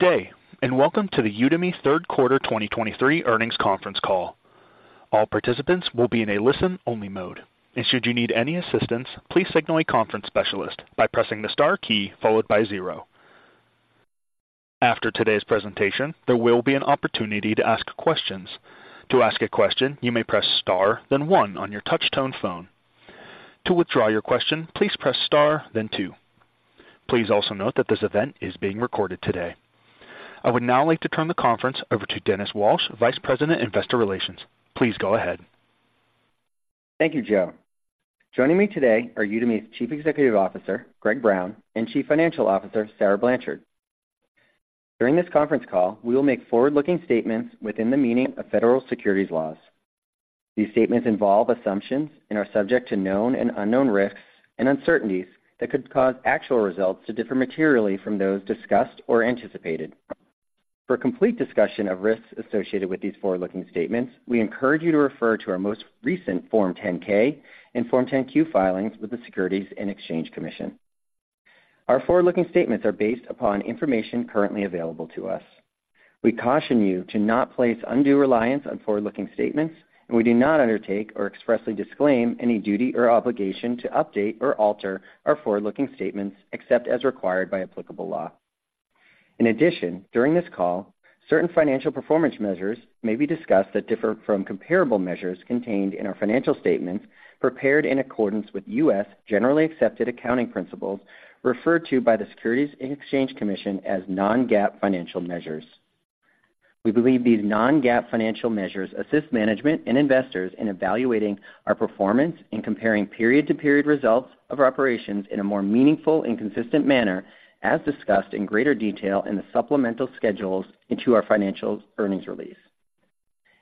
Good day, and welcome to the Udemy third quarter 2023 earnings conference call. All participants will be in a listen-only mode, and should you need any assistance, please signal a conference specialist by pressing the star key followed by zero. After today's presentation, there will be an opportunity to ask questions. To ask a question, you may press Star, then one on your touchtone phone. To withdraw your question, please press Star then two. Please also note that this event is being recorded today. I would now like to turn the conference over to Dennis Walsh, Vice President, Investor Relations. Please go ahead. Thank you, Joe. Joining me today are Udemy's Chief Executive Officer, Greg Brown, and Chief Financial Officer, Sarah Blanchard. During this conference call, we will make forward-looking statements within the meaning of federal securities laws. These statements involve assumptions and are subject to known and unknown risks and uncertainties that could cause actual results to differ materially from those discussed or anticipated. For a complete discussion of risks associated with these forward-looking statements, we encourage you to refer to our most recent Form 10-K and Form 10-Q filings with the Securities and Exchange Commission. Our forward-looking statements are based upon information currently available to us. We caution you to not place undue reliance on forward-looking statements, and we do not undertake or expressly disclaim any duty or obligation to update or alter our forward-looking statements except as required by applicable law In addition, during this call, certain financial performance measures may be discussed that differ from comparable measures contained in our financial statements prepared in accordance with U.S. generally accepted accounting principles, referred to by the Securities and Exchange Commission as non-GAAP financial measures. We believe these non-GAAP financial measures assist management and investors in evaluating our performance and comparing period-to-period results of our operations in a more meaningful and consistent manner, as discussed in greater detail in the supplemental schedules into our financial earnings release.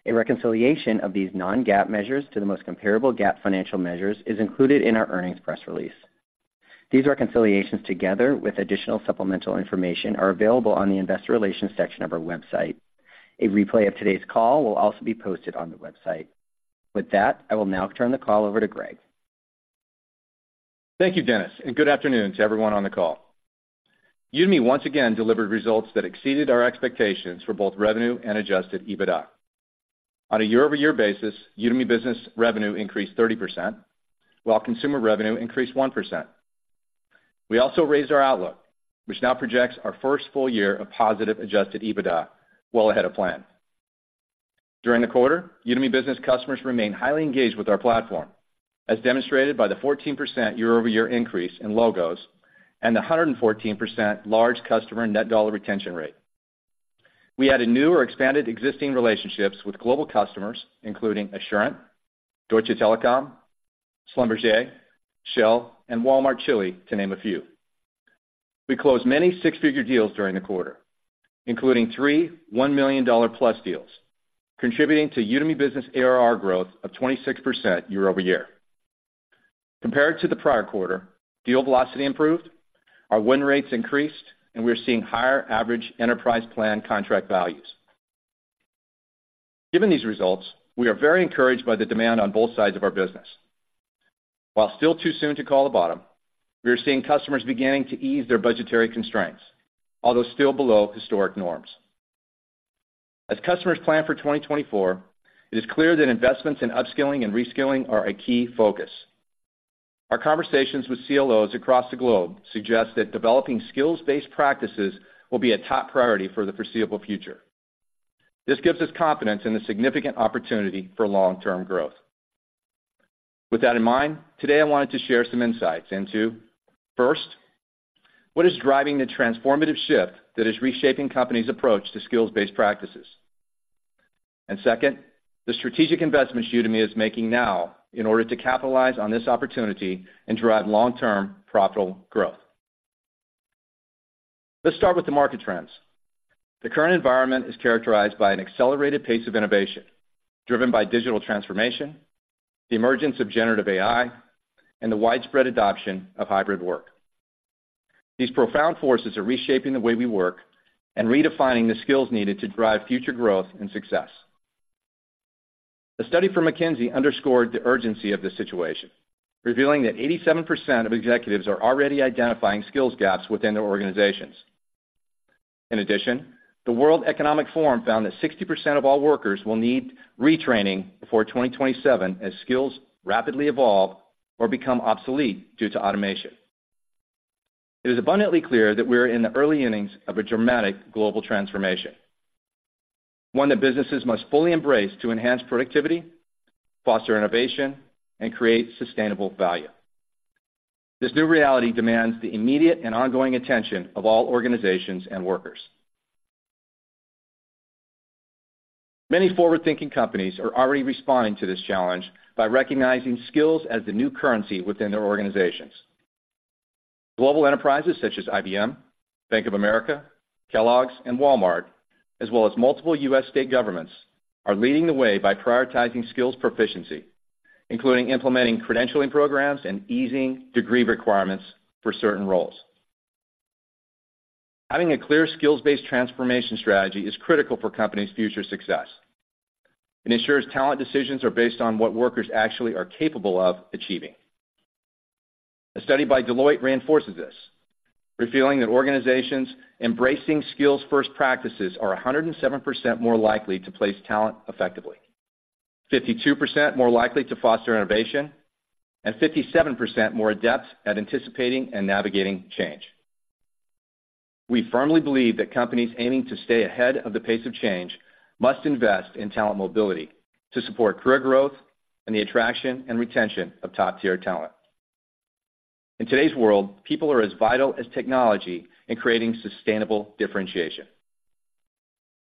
A reconciliation of these non-GAAP measures to the most comparable GAAP financial measures is included in our earnings press release. These reconciliations, together with additional supplemental information, are available on the investor relations section of our website. A replay of today's call will also be posted on the website. With that, I will now turn the call over to Greg. Thank you, Dennis, and good afternoon to everyone on the call. Udemy once again delivered results that exceeded our expectations for both revenue and Adjusted EBITDA. On a year-over-year basis, Udemy Business revenue increased 30%, while consumer revenue increased 1%. We also raised our outlook, which now projects our first full year of positive Adjusted EBITDA well ahead of plan. During the quarter, Udemy Business customers remained highly engaged with our platform, as demonstrated by the 14% year-over-year increase in logos and the 114% large customer net dollar retention rate. We added new or expanded existing relationships with global customers, including Assurant, Deutsche Telekom, Schlumberger, Shell, and Walmart Chile, to name a few. We closed many six-figure deals during the quarter, including three $1+ million deals, contributing to Udemy Business ARR growth of 26% year-over-year. Compared to the prior quarter, deal velocity improved, our win rates increased, and we are seeing higher average Enterprise Plan contract values. Given these results, we are very encouraged by the demand on both sides of our business. While still too soon to call the bottom, we are seeing customers beginning to ease their budgetary constraints, although still below historic norms. As customers plan for 2024, it is clear that investments in upskilling and reskilling are a key focus. Our conversations with CLOs across the globe suggest that developing skills-based practices will be a top priority for the foreseeable future. This gives us confidence in the significant opportunity for long-term growth. With that in mind, today I wanted to share some insights into, first, what is driving the transformative shift that is reshaping companies' approach to skills-based practices, and second, the strategic investments Udemy is making now in order to capitalize on this opportunity and drive long-term profitable growth. Let's start with the market trends. The current environment is characterized by an accelerated pace of innovation, driven by digital transformation, the emergence of generative AI, and the widespread adoption of hybrid work. These profound forces are reshaping the way we work and redefining the skills needed to drive future growth and success. A study from McKinsey underscored the urgency of this situation, revealing that 87% of executives are already identifying skills gaps within their organizations. In addition, the World Economic Forum found that 60% of all workers will need retraining before 2027 as skills rapidly evolve or become obsolete due to automation. It is abundantly clear that we are in the early innings of a dramatic global transformation, one that businesses must fully embrace to enhance productivity, foster innovation, and create sustainable value. This new reality demands the immediate and ongoing attention of all organizations and workers. Many forward-thinking companies are already responding to this challenge by recognizing skills as the new currency within their organizations. Global enterprises such as IBM, Bank of America, Kellogg's, and Walmart, as well as multiple U.S. state governments, are leading the way by prioritizing skills proficiency, including implementing credentialing programs and easing degree requirements for certain roles. Having a clear skills-based transformation strategy is critical for companies' future success. It ensures talent decisions are based on what workers actually are capable of achieving. A study by Deloitte reinforces this, revealing that organizations embracing skills-first practices are 107% more likely to place talent effectively, 52% more likely to foster innovation, and 57% more adept at anticipating and navigating change. We firmly believe that companies aiming to stay ahead of the pace of change must invest in talent mobility to support career growth and the attraction and retention of top-tier talent. In today's world, people are as vital as technology in creating sustainable differentiation.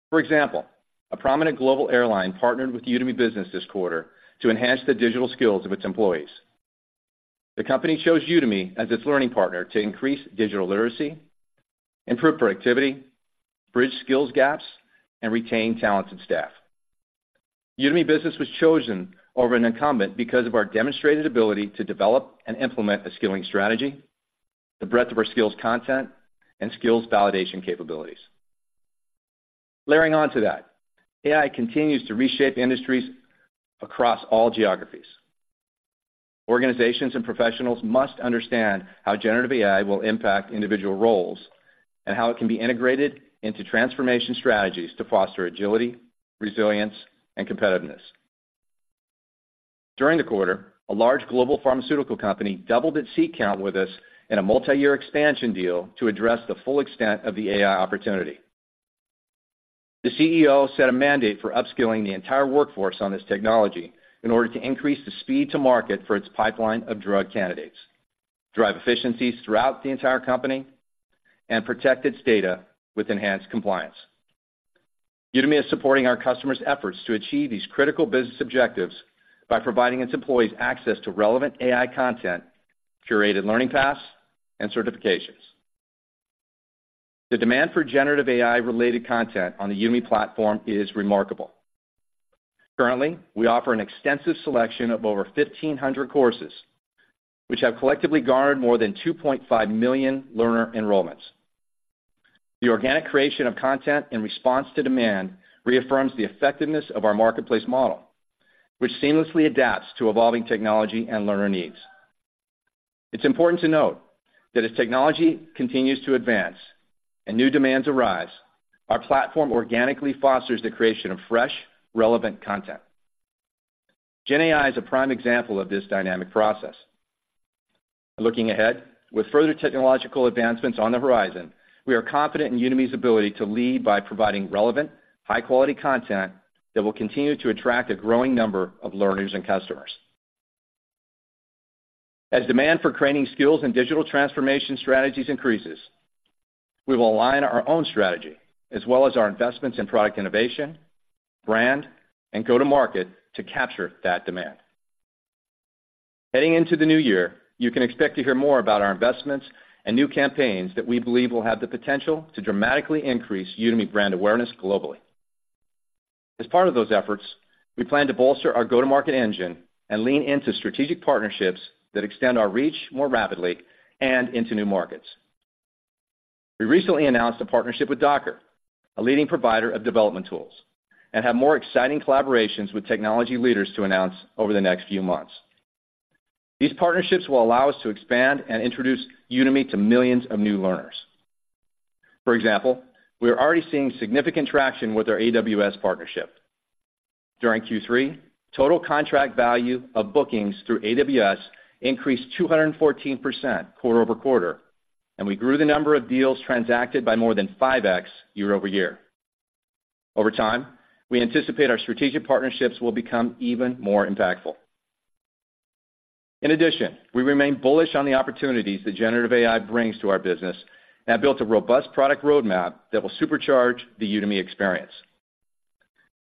For example, a prominent global airline partnered with Udemy Business this quarter to enhance the digital skills of its employees. The company chose Udemy as its learning partner to increase digital literacy, improve productivity, bridge skills gaps, and retain talented staff. Udemy Business was chosen over an incumbent because of our demonstrated ability to develop and implement a skilling strategy, the breadth of our skills content, and skills validation capabilities. Layering on to that, AI continues to reshape industries across all geographies. Organizations and professionals must understand how generative AI will impact individual roles, and how it can be integrated into transformation strategies to foster agility, resilience, and competitiveness. During the quarter, a large global pharmaceutical company doubled its seat count with us in a multi-year expansion deal to address the full extent of the AI opportunity. The CEO set a mandate for upskilling the entire workforce on this technology in order to increase the speed to market for its pipeline of drug candidates, drive efficiencies throughout the entire company, and protect its data with enhanced compliance. Udemy is supporting our customers' efforts to achieve these critical business objectives by providing its employees access to relevant AI content, curated learning paths, and certifications. The demand for generative AI-related content on the Udemy platform is remarkable. Currently, we offer an extensive selection of over 1,500 courses, which have collectively garnered more than 2.5 million learner enrollments. The organic creation of content in response to demand reaffirms the effectiveness of our marketplace model, which seamlessly adapts to evolving technology and learner needs. It's important to note that as technology continues to advance and new demands arise, our platform organically fosters the creation of fresh, relevant content. gen AI is a prime example of this dynamic process. Looking ahead, with further technological advancements on the horizon, we are confident in Udemy's ability to lead by providing relevant, high-quality content that will continue to attract a growing number of learners and customers. As demand for creating skills and digital transformation strategies increases, we will align our own strategy, as well as our investments in product innovation, brand, and go-to-market, to capture that demand. Heading into the new year, you can expect to hear more about our investments and new campaigns that we believe will have the potential to dramatically increase Udemy brand awareness globally. As part of those efforts, we plan to bolster our go-to-market engine and lean into strategic partnerships that extend our reach more rapidly and into new markets. We recently announced a partnership with Docker, a leading provider of development tools, and have more exciting collaborations with technology leaders to announce over the next few months. These partnerships will allow us to expand and introduce Udemy to millions of new learners. For example, we are already seeing significant traction with our AWS partnership. During Q3, total contract value of bookings through AWS increased 214% quarter-over-quarter, and we grew the number of deals transacted by more than 5x year-over-year. Over time, we anticipate our strategic partnerships will become even more impactful. In addition, we remain bullish on the opportunities that generative AI brings to our business, and have built a robust product roadmap that will supercharge the Udemy experience.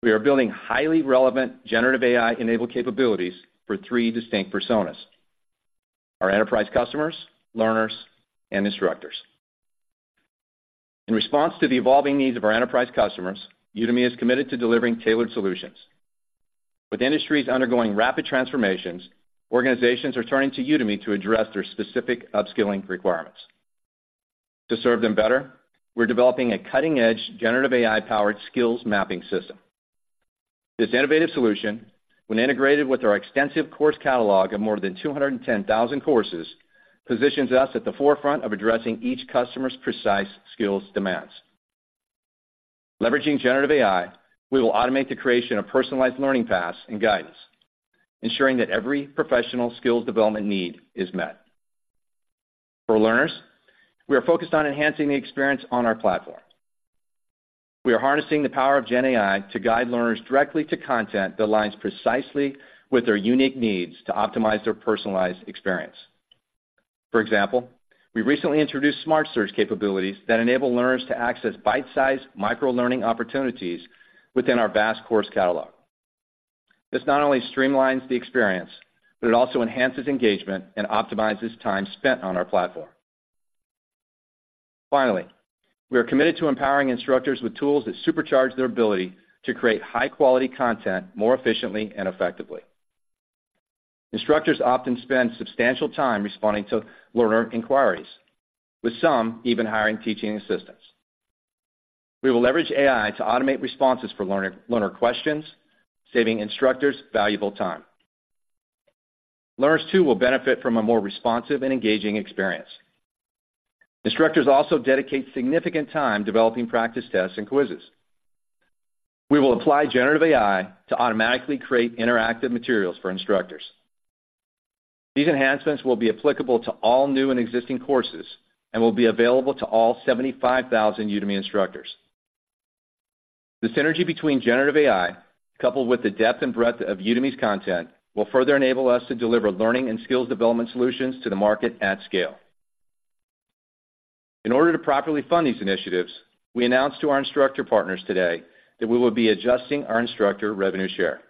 We are building highly relevant generative AI-enabled capabilities for three distinct personas: our enterprise customers, learners, and instructors. In response to the evolving needs of our enterprise customers, Udemy is committed to delivering tailored solutions. With industries undergoing rapid transformations, organizations are turning to Udemy to address their specific upskilling requirements. To serve them better, we're developing a cutting-edge, generative AI-powered Skills Mapping system. This innovative solution, when integrated with our extensive course catalog of more than 210,000 courses, positions us at the forefront of addressing each customer's precise skills demands. Leveraging generative AI, we will automate the creation of personalized learning paths and guidance, ensuring that every professional skills development need is met. For learners, we are focused on enhancing the experience on our platform. We are harnessing the power of gen AI to guide learners directly to content that aligns precisely with their unique needs to optimize their personalized experience. For example, we recently introduced smart search capabilities that enable learners to access bite-sized micro-learning opportunities within our vast course catalog. This not only streamlines the experience, but it also enhances engagement and optimizes time spent on our platform. Finally, we are committed to empowering instructors with tools that supercharge their ability to create high-quality content more efficiently and effectively. Instructors often spend substantial time responding to learner inquiries, with some even hiring teaching assistants. We will leverage AI to automate responses for learner questions, saving instructors valuable time. Learners, too, will benefit from a more responsive and engaging experience. Instructors also dedicate significant time developing practice tests and quizzes. We will apply generative AI to automatically create interactive materials for instructors. These enhancements will be applicable to all new and existing courses and will be available to all 75,000 Udemy instructors. The synergy between generative AI, coupled with the depth and breadth of Udemy's content, will further enable us to deliver learning and skills development solutions to the market at scale. In order to properly fund these initiatives, we announced to our instructor partners today that we will be adjusting our instructor revenue share.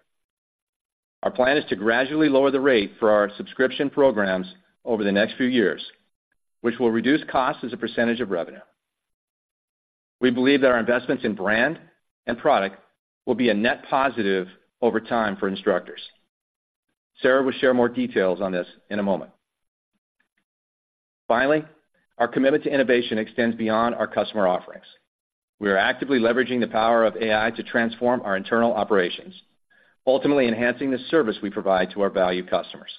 Our plan is to gradually lower the rate for our subscription programs over the next few years, which will reduce costs as a percentage of revenue. We believe that our investments in brand and product will be a net positive over time for instructors. Sarah will share more details on this in a moment. Finally, our commitment to innovation extends beyond our customer offerings. We are actively leveraging the power of AI to transform our internal operations, ultimately enhancing the service we provide to our valued customers.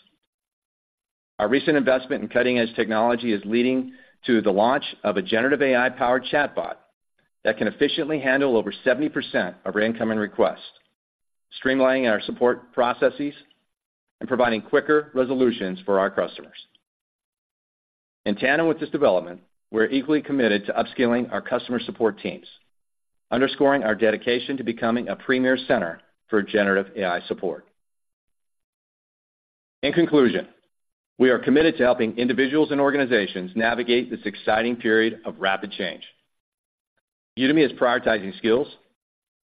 Our recent investment in cutting-edge technology is leading to the launch of a generative AI-powered chatbot that can efficiently handle over 70% of our incoming requests, streamlining our support processes and providing quicker resolutions for our customers. In tandem with this development, we're equally committed to upskilling our customer support teams, underscoring our dedication to becoming a premier center for generative AI support. In conclusion, we are committed to helping individuals and organizations navigate this exciting period of rapid change. Udemy is prioritizing skills,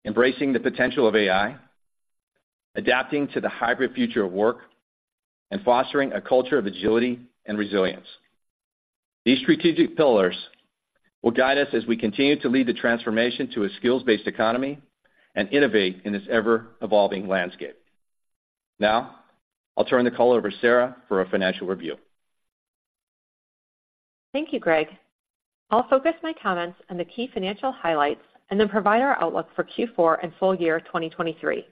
embracing the potential of AI, adapting to the hybrid future of work, and fostering a culture of agility and resilience. These strategic pillars will guide us as we continue to lead the transformation to a skills-based economy and innovate in this ever-evolving landscape. Now, I'll turn the call over to Sarah for a financial review. Thank you, Greg. I'll focus my comments on the key financial highlights and then provide our outlook for Q4 and full year 2023.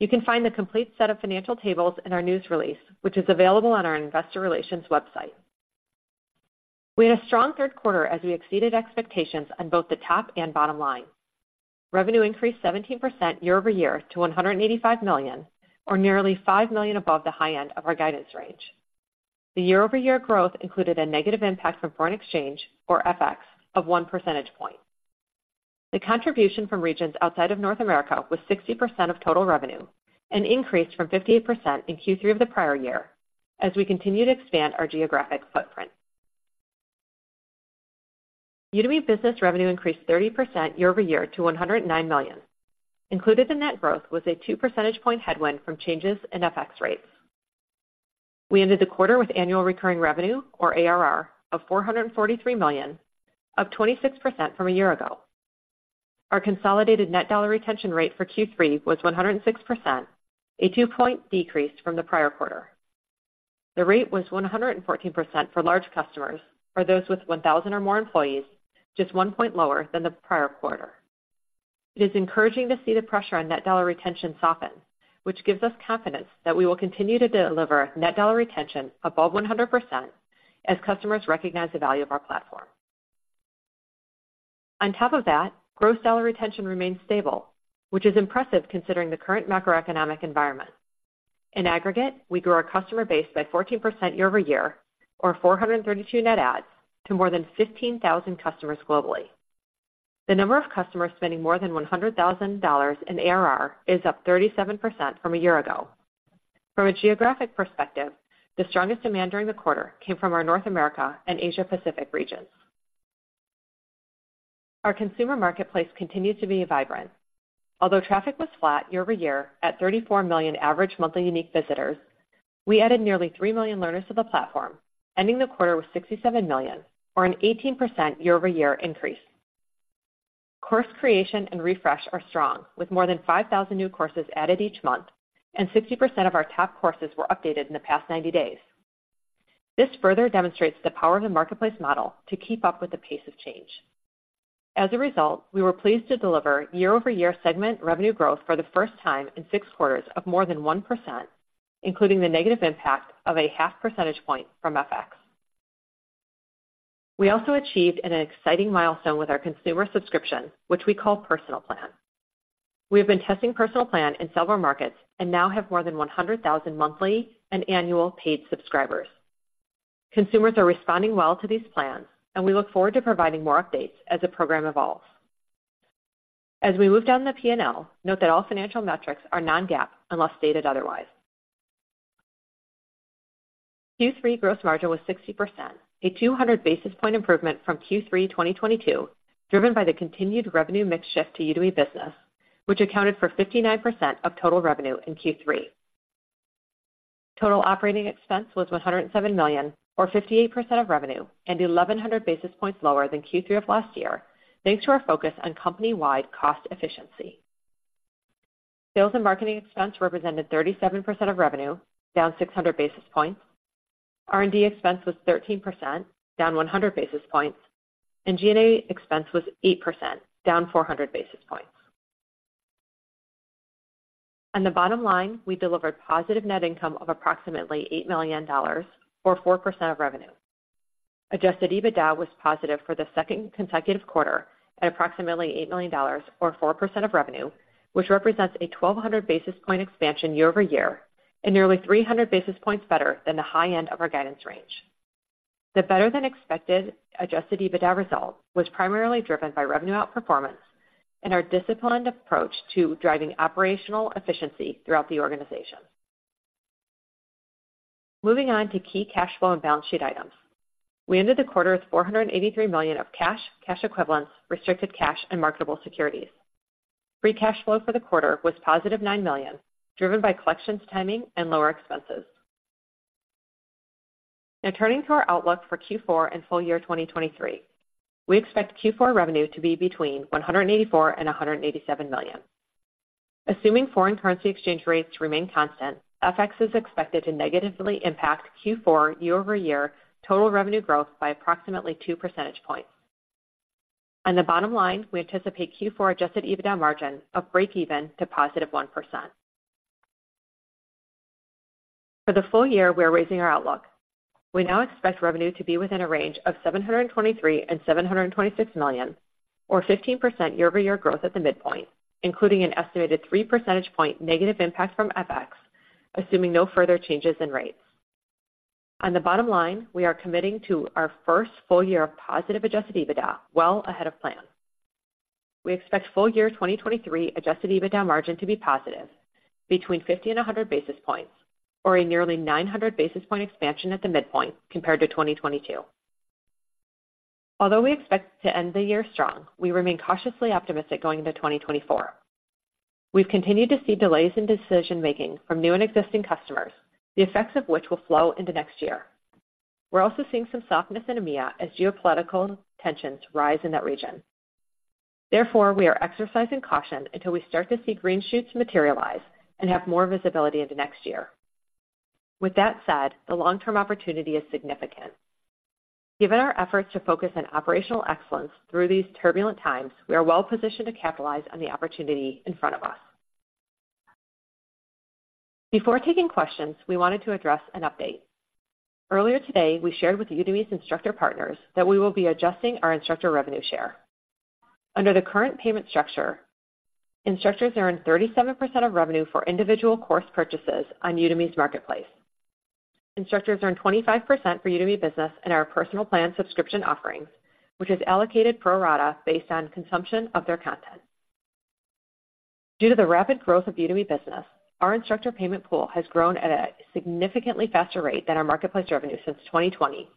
You can find the complete set of financial tables in our news release, which is available on our investor relations website. We had a strong third quarter as we exceeded expectations on both the top and bottom line. Revenue increased 17% year-over-year to $185 million, or nearly $5 million above the high end of our guidance range. The year-over-year growth included a negative impact from foreign exchange, or FX, of 1 percentage point. The contribution from regions outside of North America was 60% of total revenue, an increase from 58% in Q3 of the prior year as we continue to expand our geographic footprint. Udemy Business revenue increased 30% year-over-year to $109 million. Included in that growth was a two percentage point headwind from changes in FX rates. We ended the quarter with annual recurring revenue, or ARR, of $443 million, up 26% from a year ago. Our consolidated net dollar retention rate for Q3 was 106%, a two-point decrease from the prior quarter. The rate was 114% for large customers, or those with 1,000 or more employees, just one point lower than the prior quarter. It is encouraging to see the pressure on net dollar retention soften, which gives us confidence that we will continue to deliver net dollar retention above 100% as customers recognize the value of our platform. On top of that, gross dollar retention remains stable, which is impressive considering the current macroeconomic environment. In aggregate, we grew our customer base by 14% year-over-year, or 432 net adds, to more than 15,000 customers globally. The number of customers spending more than $100,000 in ARR is up 37% from a year ago. From a geographic perspective, the strongest demand during the quarter came from our North America and Asia Pacific regions. Our consumer marketplace continued to be vibrant. Although traffic was flat year-over-year at 34 million average monthly unique visitors, we added nearly 3 million learners to the platform, ending the quarter with 67 million, or an 18% year-over-year increase. Course creation and refresh are strong, with more than 5,000 new courses added each month, and 60% of our top courses were updated in the past 90 days. This further demonstrates the power of the marketplace model to keep up with the pace of change. As a result, we were pleased to deliver year-over-year segment revenue growth for the first time in six quarters of more than 1%, including the negative impact of a 0.5 percentage point from FX. We also achieved an exciting milestone with our consumer subscription, which we call Personal Plan. We have been testing Personal Plan in several markets and now have more than 100,000 monthly and annual paid subscribers. Consumers are responding well to these plans, and we look forward to providing more updates as the program evolves. As we move down the P&L, note that all financial metrics are non-GAAP, unless stated otherwise. Q3 gross margin was 60%, a 200 basis points improvement from Q3, 2022, driven by the continued revenue mix shift to Udemy Business, which accounted for 59% of total revenue in Q3. Total operating expense was $107 million, or 58% of revenue, and 1,100 basis points lower than Q3 of last year, thanks to our focus on company-wide cost efficiency. Sales and marketing expense represented 37% of revenue, down 600 basis points. R&D expense was 13%, down 100 basis points, and G&A expense was 8%, down 400 basis points. On the bottom line, we delivered positive net income of approximately $8 million, or 4% of revenue. Adjusted EBITDA was positive for the second consecutive quarter at approximately $8 million, or 4% of revenue, which represents a 1,200 basis point expansion year-over-year, and nearly 300 basis points better than the high end of our guidance range. The better-than-expected adjusted EBITDA result was primarily driven by revenue outperformance and our disciplined approach to driving operational efficiency throughout the organization. Moving on to key cash flow and balance sheet items. We ended the quarter with $483 million of cash, cash equivalents, restricted cash, and marketable securities. Free cash flow for the quarter was positive $9 million, driven by collections timing and lower expenses. Now, turning to our outlook for Q4 and full year 2023. We expect Q4 revenue to be between $184 million and $187 million. Assuming foreign currency exchange rates remain constant, FX is expected to negatively impact Q4 year-over-year total revenue growth by approximately 2 percentage points. On the bottom line, we anticipate Q4 adjusted EBITDA margin of breakeven to positive 1%. For the full year, we are raising our outlook. We now expect revenue to be within a range of $723 million-$726 million, or 15% year-over-year growth at the midpoint, including an estimated 3 percentage point negative impact from FX, assuming no further changes in rates. On the bottom line, we are committing to our first full year of positive adjusted EBITDA well ahead of plan. We expect full year 2023 adjusted EBITDA margin to be positive, between 50 and 100 basis points, or a nearly 900 basis point expansion at the midpoint compared to 2022. Although we expect to end the year strong, we remain cautiously optimistic going into 2024. We've continued to see delays in decision-making from new and existing customers, the effects of which will flow into next year. We're also seeing some softness in EMEA as geopolitical tensions rise in that region. Therefore, we are exercising caution until we start to see green shoots materialize and have more visibility into next year. With that said, the long-term opportunity is significant. Given our efforts to focus on operational excellence through these turbulent times, we are well positioned to capitalize on the opportunity in front of us. Before taking questions, we wanted to address an update. Earlier today, we shared with Udemy's instructor partners that we will be adjusting our instructor revenue share. Under the current payment structure, instructors earn 37% of revenue for individual course purchases on Udemy's marketplace. Instructors earn 25% for Udemy Business and our Personal Plan subscription offerings, which is allocated pro rata based on consumption of their content. Due to the rapid growth of Udemy Business, our instructor payment pool has grown at a significantly faster rate than our marketplace revenue since 2020,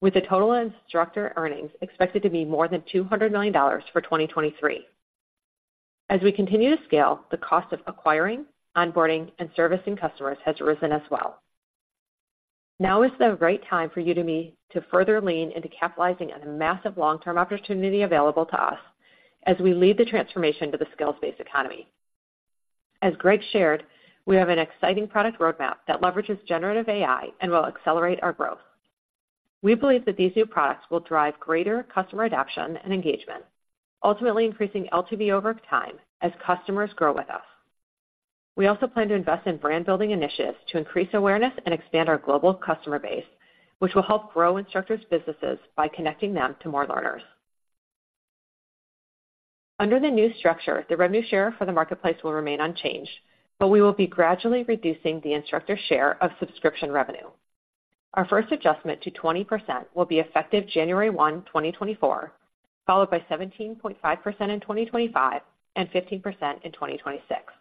with the total instructor earnings expected to be more than $200 million for 2023. As we continue to scale, the cost of acquiring, onboarding, and servicing customers has risen as well. Now is the right time for Udemy to further lean into capitalizing on the massive long-term opportunity available to us as we lead the transformation to the skills-based economy. As Greg shared, we have an exciting product roadmap that leverages generative AI and will accelerate our growth. We believe that these new products will drive greater customer adoption and engagement, ultimately increasing LTV over time as customers grow with us. We also plan to invest in brand-building initiatives to increase awareness and expand our global customer base, which will help grow instructors' businesses by connecting them to more learners. Under the new structure, the revenue share for the marketplace will remain unchanged, but we will be gradually reducing the instructor share of subscription revenue. Our first adjustment to 20% will be effective January 1, 2024, followed by 17.5% in 2025, and 15% in 2026.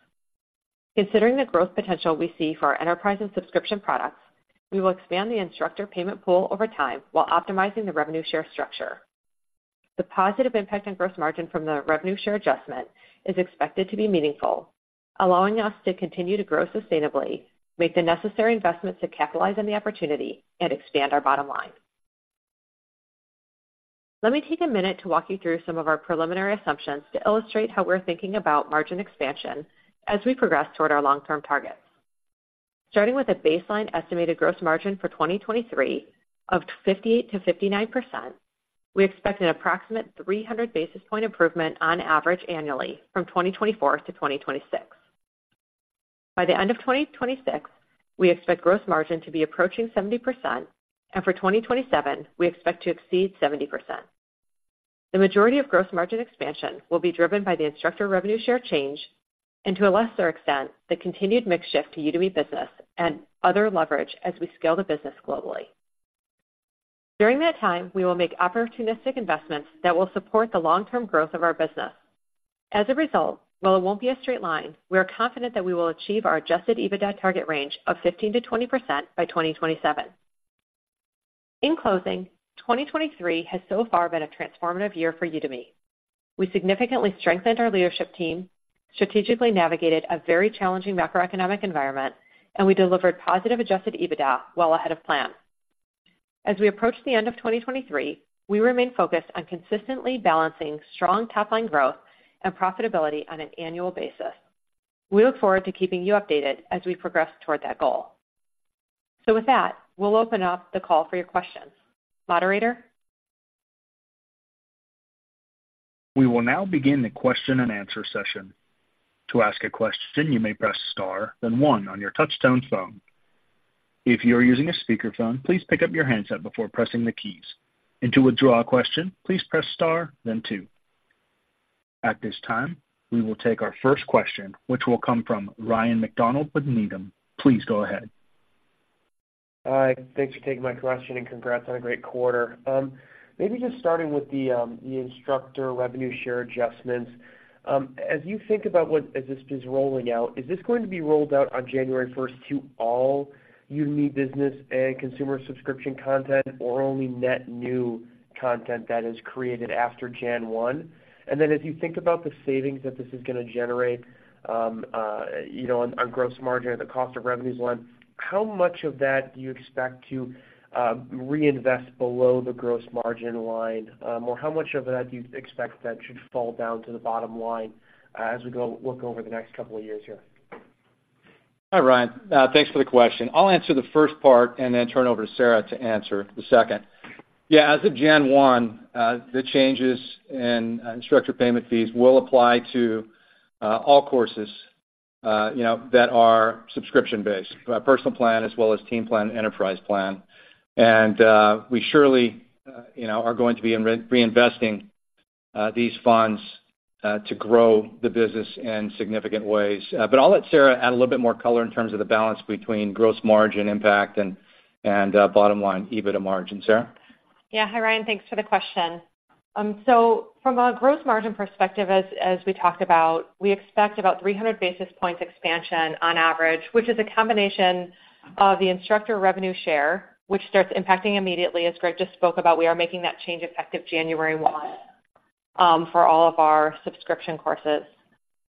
Considering the growth potential we see for our enterprise and subscription products, we will expand the instructor payment pool over time while optimizing the revenue share structure. The positive impact on gross margin from the revenue share adjustment is expected to be meaningful, allowing us to continue to grow sustainably, make the necessary investments to capitalize on the opportunity, and expand our bottom line. Let me take a minute to walk you through some of our preliminary assumptions to illustrate how we're thinking about margin expansion as we progress toward our long-term targets. Starting with a baseline estimated gross margin for 2023 of 58%-59%, we expect an approximate 300 basis point improvement on average annually from 2024-2026. By the end of 2026, we expect gross margin to be approaching 70%, and for 2027, we expect to exceed 70%. The majority of gross margin expansion will be driven by the instructor revenue share change, and to a lesser extent, the continued mix shift to Udemy Business and other leverage as we scale the business globally. During that time, we will make opportunistic investments that will support the long-term growth of our business. As a result, while it won't be a straight line, we are confident that we will achieve our Adjusted EBITDA target range of 15%-20% by 2027. In closing, 2023 has so far been a transformative year for Udemy. We significantly strengthened our leadership team, strategically navigated a very challenging macroeconomic environment, and we delivered positive Adjusted EBITDA well ahead of plan. As we approach the end of 2023, we remain focused on consistently balancing strong top line growth and profitability on an annual basis. We look forward to keeping you updated as we progress toward that goal. With that, we'll open up the call for your questions. Moderator? We will now begin the question and answer session. To ask a question, you may press Star, then One on your touchtone phone. If you are using a speakerphone, please pick up your handset before pressing the keys. And to withdraw a question, please press Star, then Two. At this time, we will take our first question, which will come from Ryan MacDonald with Needham. Please go ahead. Hi, thanks for taking my question, and congrats on a great quarter. Maybe just starting with the instructor revenue share adjustments. As you think about as this is rolling out, is this going to be rolled out on January first to all Udemy Business and consumer subscription content, or only net new content that is created after January 1? And then as you think about the savings that this is gonna generate, you know, on gross margin or the cost of revenues line, how much of that do you expect to reinvest below the gross margin line? Or how much of that do you expect that should fall down to the bottom line, as we go look over the next couple of years here? Hi, Ryan. Thanks for the question. I'll answer the first part and then turn it over to Sarah to answer the second. Yeah, as of January 1, the changes in instructor payment fees will apply to all courses, you know, that are subscription-based, Personal Plan as well as Team Plan, Enterprise Plan. We surely, you know, are going to be reinvesting these funds to grow the business in significant ways. But I'll let Sarah add a little bit more color in terms of the balance between gross margin impact and bottom line, EBITDA margin. Sarah? Yeah. Hi, Ryan. Thanks for the question. So from a gross margin perspective, as we talked about, we expect about 300 basis points expansion on average, which is a combination of the instructor revenue share, which starts impacting immediately. As Greg just spoke about, we are making that change effective January 1, for all of our subscription courses.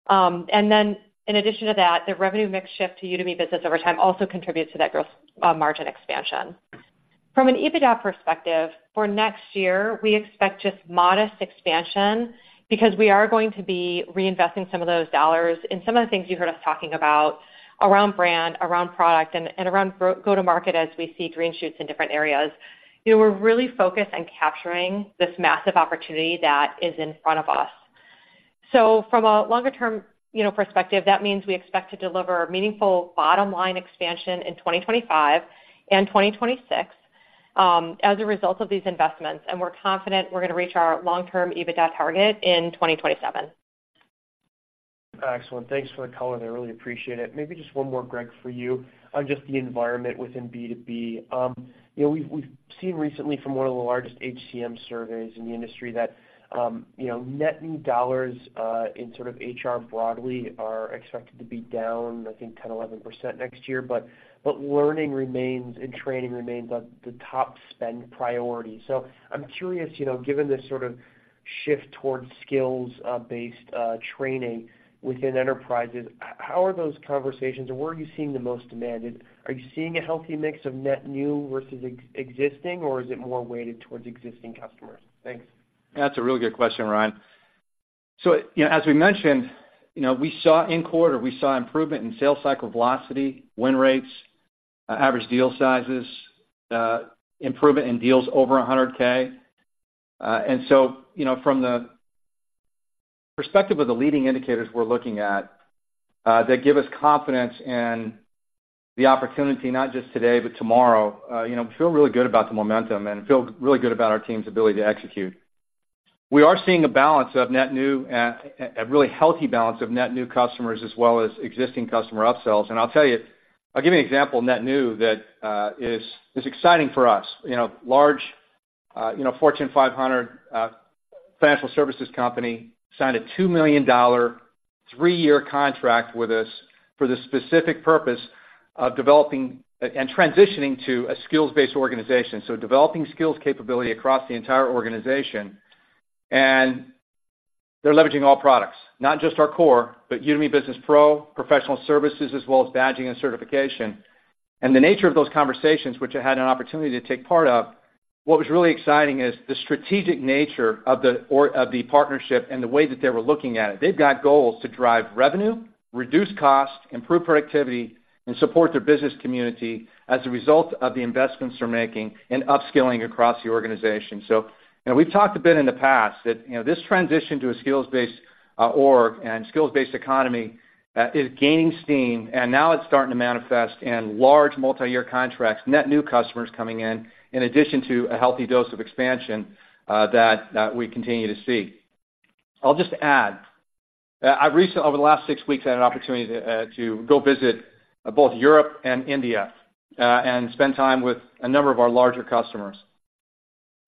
And then in addition to that, the revenue mix shift to Udemy Business over time also contributes to that gross margin expansion. From an EBITDA perspective, for next year, we expect just modest expansion because we are going to be reinvesting some of those dollars in some of the things you heard us talking about around brand, around product, and around go-to-market as we see green shoots in different areas. You know, we're really focused on capturing this massive opportunity that is in front of us. So from a longer-term, you know, perspective, that means we expect to deliver meaningful bottom-line expansion in 2025 and 2026, as a result of these investments. And we're confident we're gonna reach our long-term EBITDA target in 2027. Excellent. Thanks for the color. I really appreciate it. Maybe just one more, Greg, for you on just the environment within B2B. You know, we've seen recently from one of the largest HCM surveys in the industry that, you know, net new dollars in sort of HR broadly are expected to be down, I think, 10%-11% next year, but learning remains and training remains on the top spend priority. So I'm curious, you know, given this sort of shift towards skills-based training within enterprises, how are those conversations, and where are you seeing the most demand? And are you seeing a healthy mix of net new versus existing, or is it more weighted towards existing customers? Thanks. That's a really good question, Ryan. So, you know, as we mentioned, you know, we saw... In quarter, we saw improvement in sales cycle velocity, win rates, average deal sizes, improvement in deals over $100K. And so, you know, from the perspective of the leading indicators we're looking at, that give us confidence in the opportunity, not just today, but tomorrow, you know, we feel really good about the momentum and feel really good about our team's ability to execute. We are seeing a balance of net new, a really healthy balance of net new customers as well as existing customer upsells. And I'll tell you- I'll give you an example of net new that is exciting for us. You know, large, you know, Fortune 500 financial services company signed a $2 million, 3-year contract with us for the specific purpose of developing and transitioning to a skills-based organization. So developing skills capability across the entire organization, and they're leveraging all products, not just our core, but Udemy Business Pro, professional services, as well as badging and certification. And the nature of those conversations, which I had an opportunity to take part of, what was really exciting is the strategic nature of the of the partnership and the way that they were looking at it. They've got goals to drive revenue, reduce costs, improve productivity, and support their business community as a result of the investments they're making in upskilling across the organization. So, you know, we've talked a bit in the past that, you know, this transition to a skills-based, org and skills-based economy, is gaining steam, and now it's starting to manifest in large multiyear contracts, net new customers coming in, in addition to a healthy dose of expansion, that we continue to see. I'll just add, over the last six weeks, I had an opportunity to go visit both Europe and India, and spend time with a number of our larger customers.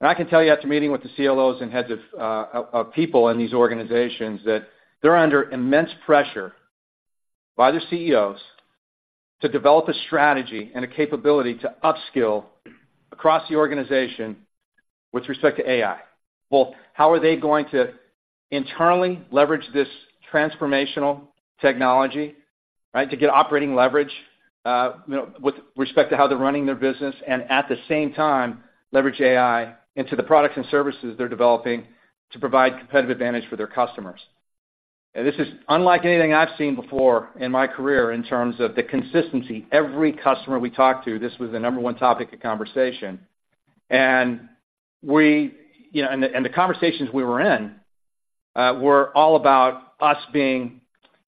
And I can tell you, after meeting with the CLOs and heads of people in these organizations, that they're under immense pressure by their CEOs to develop a strategy and a capability to upskill across the organization with respect to AI? Well, how are they going to internally leverage this transformational technology, right, to get operating leverage, you know, with respect to how they're running their business, and at the same time, leverage AI into the products and services they're developing to provide competitive advantage for their customers. And this is unlike anything I've seen before in my career in terms of the consistency. Every customer we talked to, this was the number one topic of conversation. And we, you know, and the, and the conversations we were in, were all about us being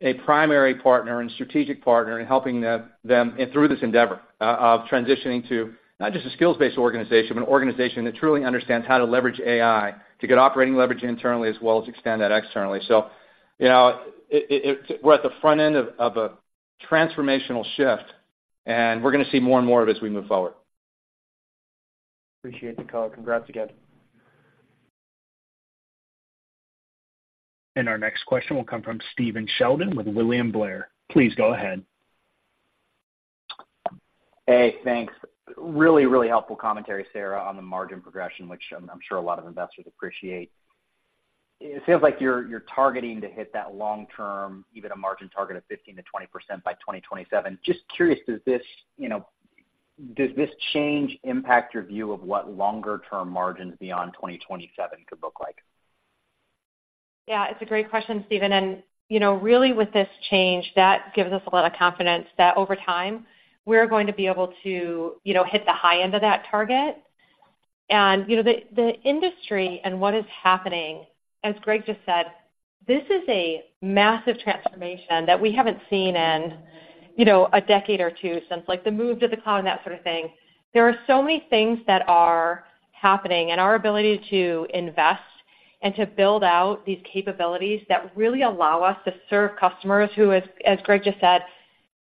a primary partner and strategic partner in helping them, them through this endeavor, of transitioning to not just a skills-based organization, but an organization that truly understands how to leverage AI to get operating leverage internally as well as extend that externally. So, you know, we're at the front end of a transformational shift, and we're gonna see more and more of it as we move forward. Appreciate the call. Congrats again. Our next question will come from Stephen Sheldon with William Blair. Please go ahead. Hey, thanks. Really, really helpful commentary, Sarah, on the margin progression, which I'm sure a lot of investors appreciate. It seems like you're targeting to hit that long-term, even a margin target of 15%-20% by 2027. Just curious, does this, you know, does this change impact your view of what longer-term margins beyond 2027 could look like? Yeah, it's a great question, Steven. And, you know, really, with this change, that gives us a lot of confidence that over time, we're going to be able to, you know, hit the high end of that target. And, you know, the, the industry and what is happening, as Greg just said, this is a massive transformation that we haven't seen in, you know, a decade or two since, like, the move to the cloud and that sort of thing. There are so many things that are happening, and our ability to invest and to build out these capabilities that really allow us to serve customers who, as, as Greg just said,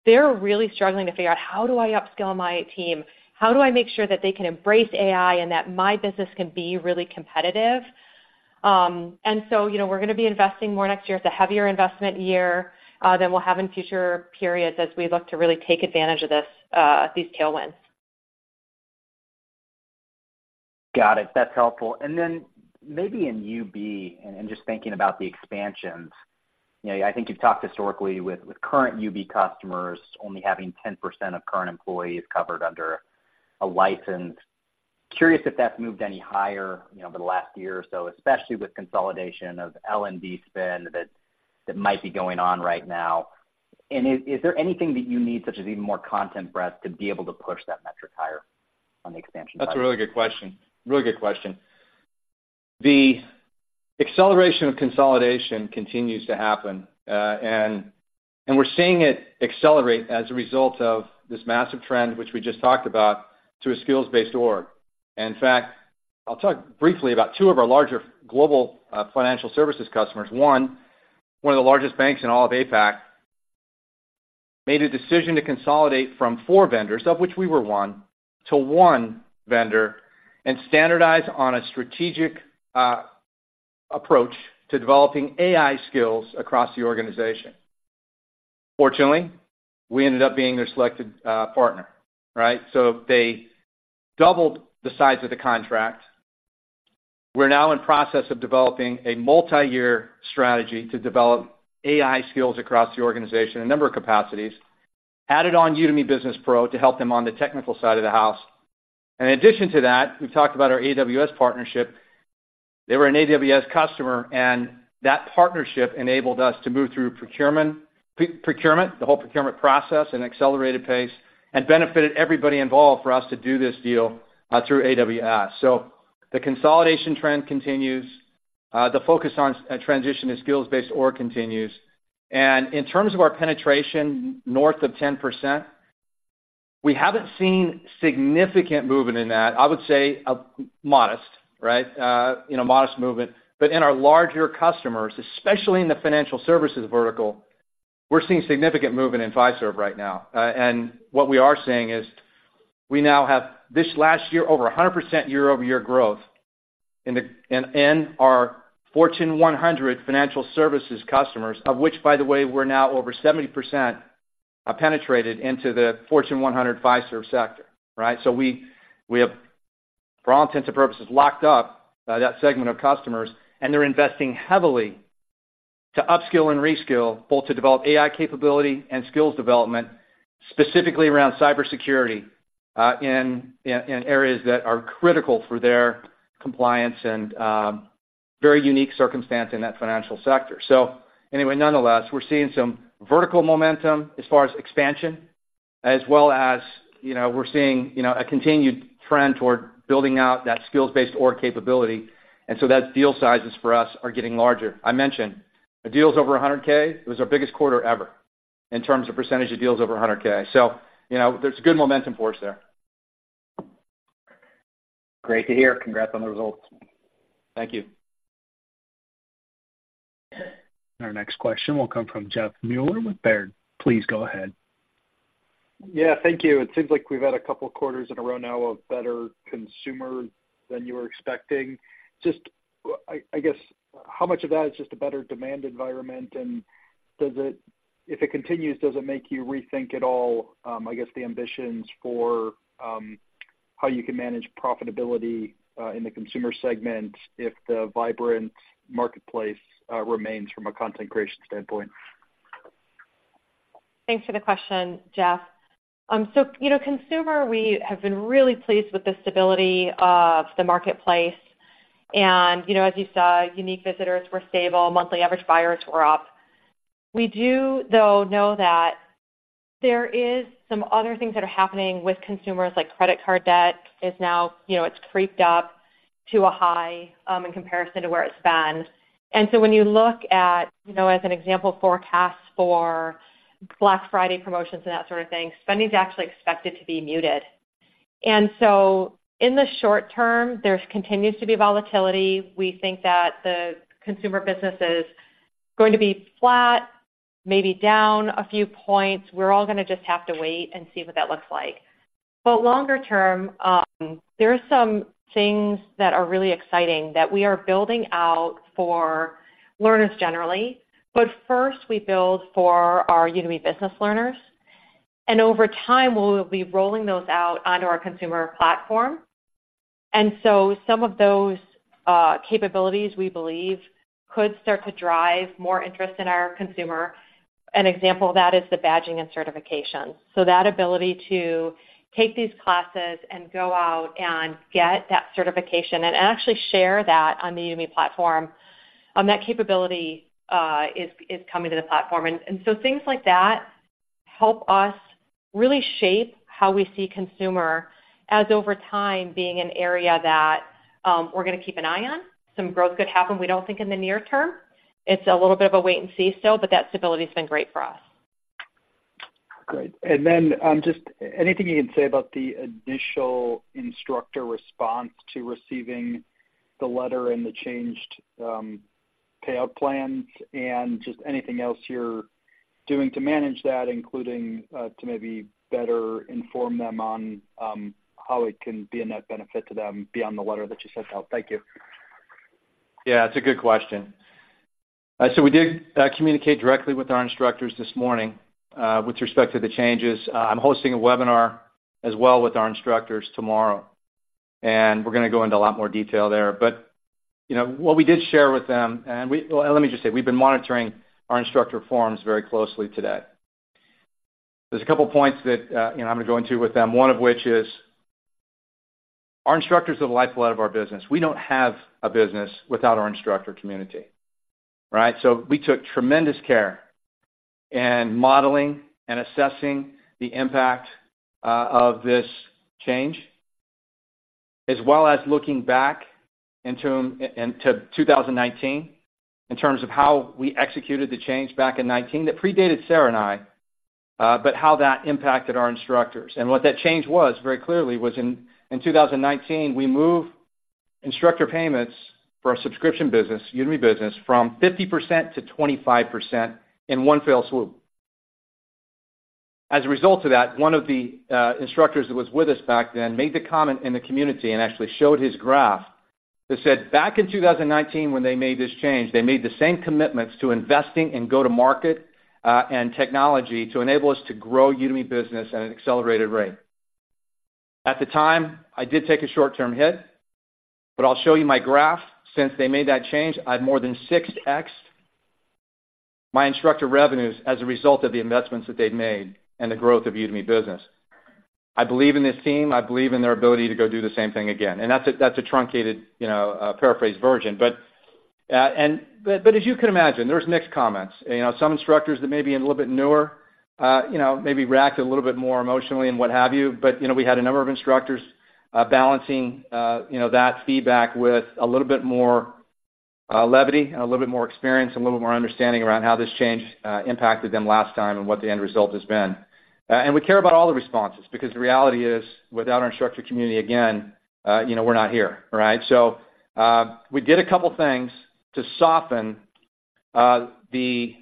they're really struggling to figure out, "How do I upskill my team? How do I make sure that they can embrace AI and that my business can be really competitive?" You know, we're gonna be investing more next year. It's a heavier investment year than we'll have in future periods as we look to really take advantage of this, these tailwinds. Got it. That's helpful. And then maybe in UB, and, and just thinking about the expansions, you know, I think you've talked historically with, with current UB customers only having 10% of current employees covered under a license. Curious if that's moved any higher, you know, over the last year or so, especially with consolidation of L&D spend that, that might be going on right now. And is, is there anything that you need, such as even more content breadth, to be able to push that metric higher on the expansion side? That's a really good question. Really good question. The acceleration of consolidation continues to happen, and we're seeing it accelerate as a result of this massive trend, which we just talked about, to a skills-based org. In fact, I'll talk briefly about two of our larger global financial services customers. One of the largest banks in all of APAC made a decision to consolidate from four vendors, of which we were one, to one vendor and standardize on a strategic approach to developing AI skills across the organization. Fortunately, we ended up being their selected partner, right? So they doubled the size of the contract. We're now in process of developing a multiyear strategy to develop AI skills across the organization in a number of capacities, added on Udemy Business Pro to help them on the technical side of the house. In addition to that, we've talked about our AWS partnership. They were an AWS customer, and that partnership enabled us to move through procurement, the whole procurement process in accelerated pace and benefited everybody involved for us to do this deal through AWS. So the consolidation trend continues, the focus on a transition to skills-based org continues. And in terms of our penetration north of 10%, we haven't seen significant movement in that. I would say a modest, right, you know, modest movement. But in our larger customers, especially in the financial services vertical, we're seeing significant movement in Fiserv right now. And what we are seeing is we now have, this last year, over 100% year-over-year growth in our Fortune 100 financial services customers, of which, by the way, we're now over 70% penetrated into the Fortune 100 financial services sector, right? So we have, for all intents and purposes, locked up that segment of customers, and they're investing heavily to upskill and reskill, both to develop AI capability and skills development, specifically around cybersecurity, in areas that are critical for their compliance and very unique circumstance in that financial sector. So anyway, nonetheless, we're seeing some vertical momentum as far as expansion, as well as, you know, we're seeing, you know, a continued trend toward building out that skills-based org capability, and so that deal sizes for us are getting larger. I mentioned the deals over $100,000. It was our biggest quarter ever in terms of percentage of deals over $100,000. So, you know, there's good momentum for us there. Great to hear. Congrats on the results. Thank you. Our next question will come from Jeff Meuler with Baird. Please go ahead. Yeah, thank you. It seems like we've had a couple quarters in a row now of better consumer than you were expecting. Just, I guess, how much of that is just a better demand environment? And does it, if it continues, does it make you rethink at all, I guess, the ambitions for, how you can manage profitability, in the consumer segment if the vibrant marketplace remains from a content creation standpoint? Thanks for the question, Jeff. So, you know, consumer, we have been really pleased with the stability of the marketplace. And, you know, as you saw, unique visitors were stable, monthly average buyers were up. We do, though, know that there is some other things that are happening with consumers, like credit card debt is now, you know, it's creeped up to a high, in comparison to where it's been. And so when you look at, you know, as an example, forecasts for Black Friday promotions and that sort of thing, spending is actually expected to be muted. And so in the short term, there continues to be volatility. We think that the consumer business is going to be flat, maybe down a few points. We're all gonna just have to wait and see what that looks like. But longer term, there are some things that are really exciting that we are building out for learners generally. But first, we build for our Udemy Business learners, and over time, we'll be rolling those out onto our consumer platform. And so some of those capabilities, we believe, could start to drive more interest in our consumer. An example of that is the badging and certification. So that ability to take these classes and go out and get that certification and actually share that on the Udemy platform, that capability is coming to the platform. And so things like that help us really shape how we see consumer as, over time, being an area that we're gonna keep an eye on. Some growth could happen. We don't think in the near term. It's a little bit of a wait and see still, but that stability's been great for us. Great. And then, just anything you can say about the initial instructor response to receiving the letter and the changed payout plans, and just anything else you're doing to manage that, including to maybe better inform them on how it can be a net benefit to them beyond the letter that you sent out? Thank you. Yeah, it's a good question. So we did communicate directly with our instructors this morning, with respect to the changes. I'm hosting a webinar as well with our instructors tomorrow, and we're gonna go into a lot more detail there. But, you know, what we did share with them, well, let me just say, we've been monitoring our instructor forums very closely today. There's a couple points that, you know, I'm gonna go into with them, one of which is, our instructors are the lifeblood of our business. We don't have a business without our instructor community, right? So we took tremendous care in modeling and assessing the impact, of this change, as well as looking back into, into 2019, in terms of how we executed the change back in 2019. That predated Sarah and I, but how that impacted our instructors. And what that change was, very clearly, was in 2019, we moved instructor payments for our subscription business, Udemy Business, from 50% to 25% in one fell swoop. As a result of that, one of the instructors that was with us back then made the comment in the community and actually showed his graph that said, "Back in 2019, when they made this change, they made the same commitments to investing in go-to-market and technology to enable us to grow Udemy Business at an accelerated rate. At the time, I did take a short-term hit, but I'll show you my graph. Since they made that change, I've more than 6x'd my instructor revenues as a result of the investments that they've made and the growth of Udemy Business. I believe in this team. I believe in their ability to go do the same thing again." And that's a, that's a truncated, you know, paraphrased version. But as you can imagine, there was mixed comments. You know, some instructors that may be a little bit newer, you know, maybe reacted a little bit more emotionally and what have you. But, you know, we had a number of instructors, balancing, you know, that feedback with a little bit more levity and a little bit more experience, a little more understanding around how this change impacted them last time and what the end result has been. And we care about all the responses, because the reality is, without our instructor community, again, you know, we're not here, right? So, we did a couple things to soften the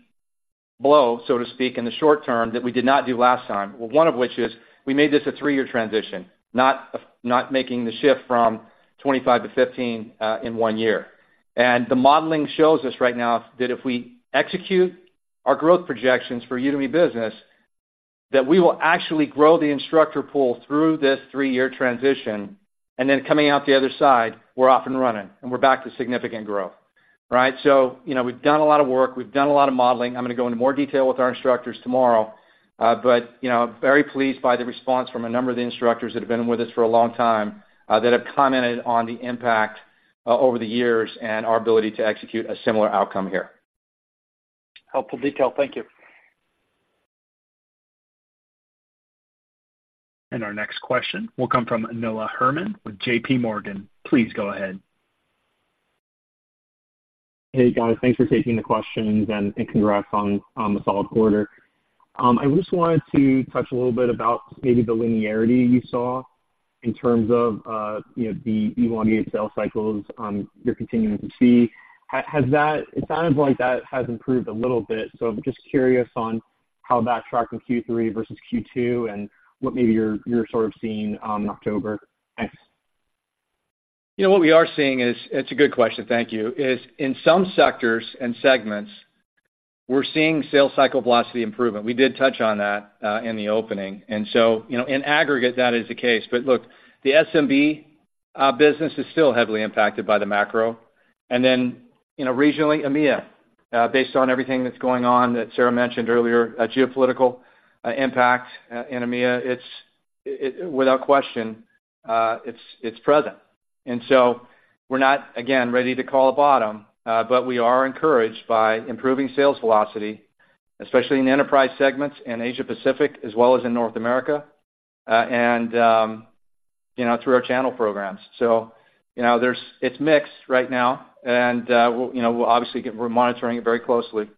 blow, so to speak, in the short term that we did not do last time. Well, one of which is we made this a three-year transition, not, not making the shift from 25 to 15 in one year. The modeling shows us right now that if we execute our growth projections for Udemy Business, that we will actually grow the instructor pool through this three-year transition, and then coming out the other side, we're off and running, and we're back to significant growth, right? So, you know, we've done a lot of work. We've done a lot of modeling. I'm gonna go into more detail with our instructors tomorrow, but, you know, very pleased by the response from a number of the instructors that have been with us for a long time, that have commented on the impact over the years and our ability to execute a similar outcome here. Helpful detail. Thank you. Our next question will come from Noah Herman with JPMorgan. Please go ahead. Hey, guys, thanks for taking the questions, and congrats on the solid quarter. I just wanted to touch a little bit about maybe the linearity you saw in terms of, you know, the elongated sales cycles you're continuing to see. It sounded like that has improved a little bit, so I'm just curious on how that tracked in Q3 versus Q2, and what maybe you're sort of seeing in October? Thanks. You know, what we are seeing is, it's a good question, thank you, is in some sectors and segments, we're seeing sales cycle velocity improvement. We did touch on that in the opening. And so, you know, in aggregate, that is the case. But look, the SMB business is still heavily impacted by the macro. And then, you know, regionally, EMEA, based on everything that's going on, that Sarah mentioned earlier, a geopolitical impact in EMEA, it without question, it's present. And so we're not, again, ready to call a bottom, but we are encouraged by improving sales velocity, especially in enterprise segments in Asia Pacific as well as in North America and you know, through our channel programs. So, you know, it's mixed right now, and you know, we're obviously monitoring it very closely.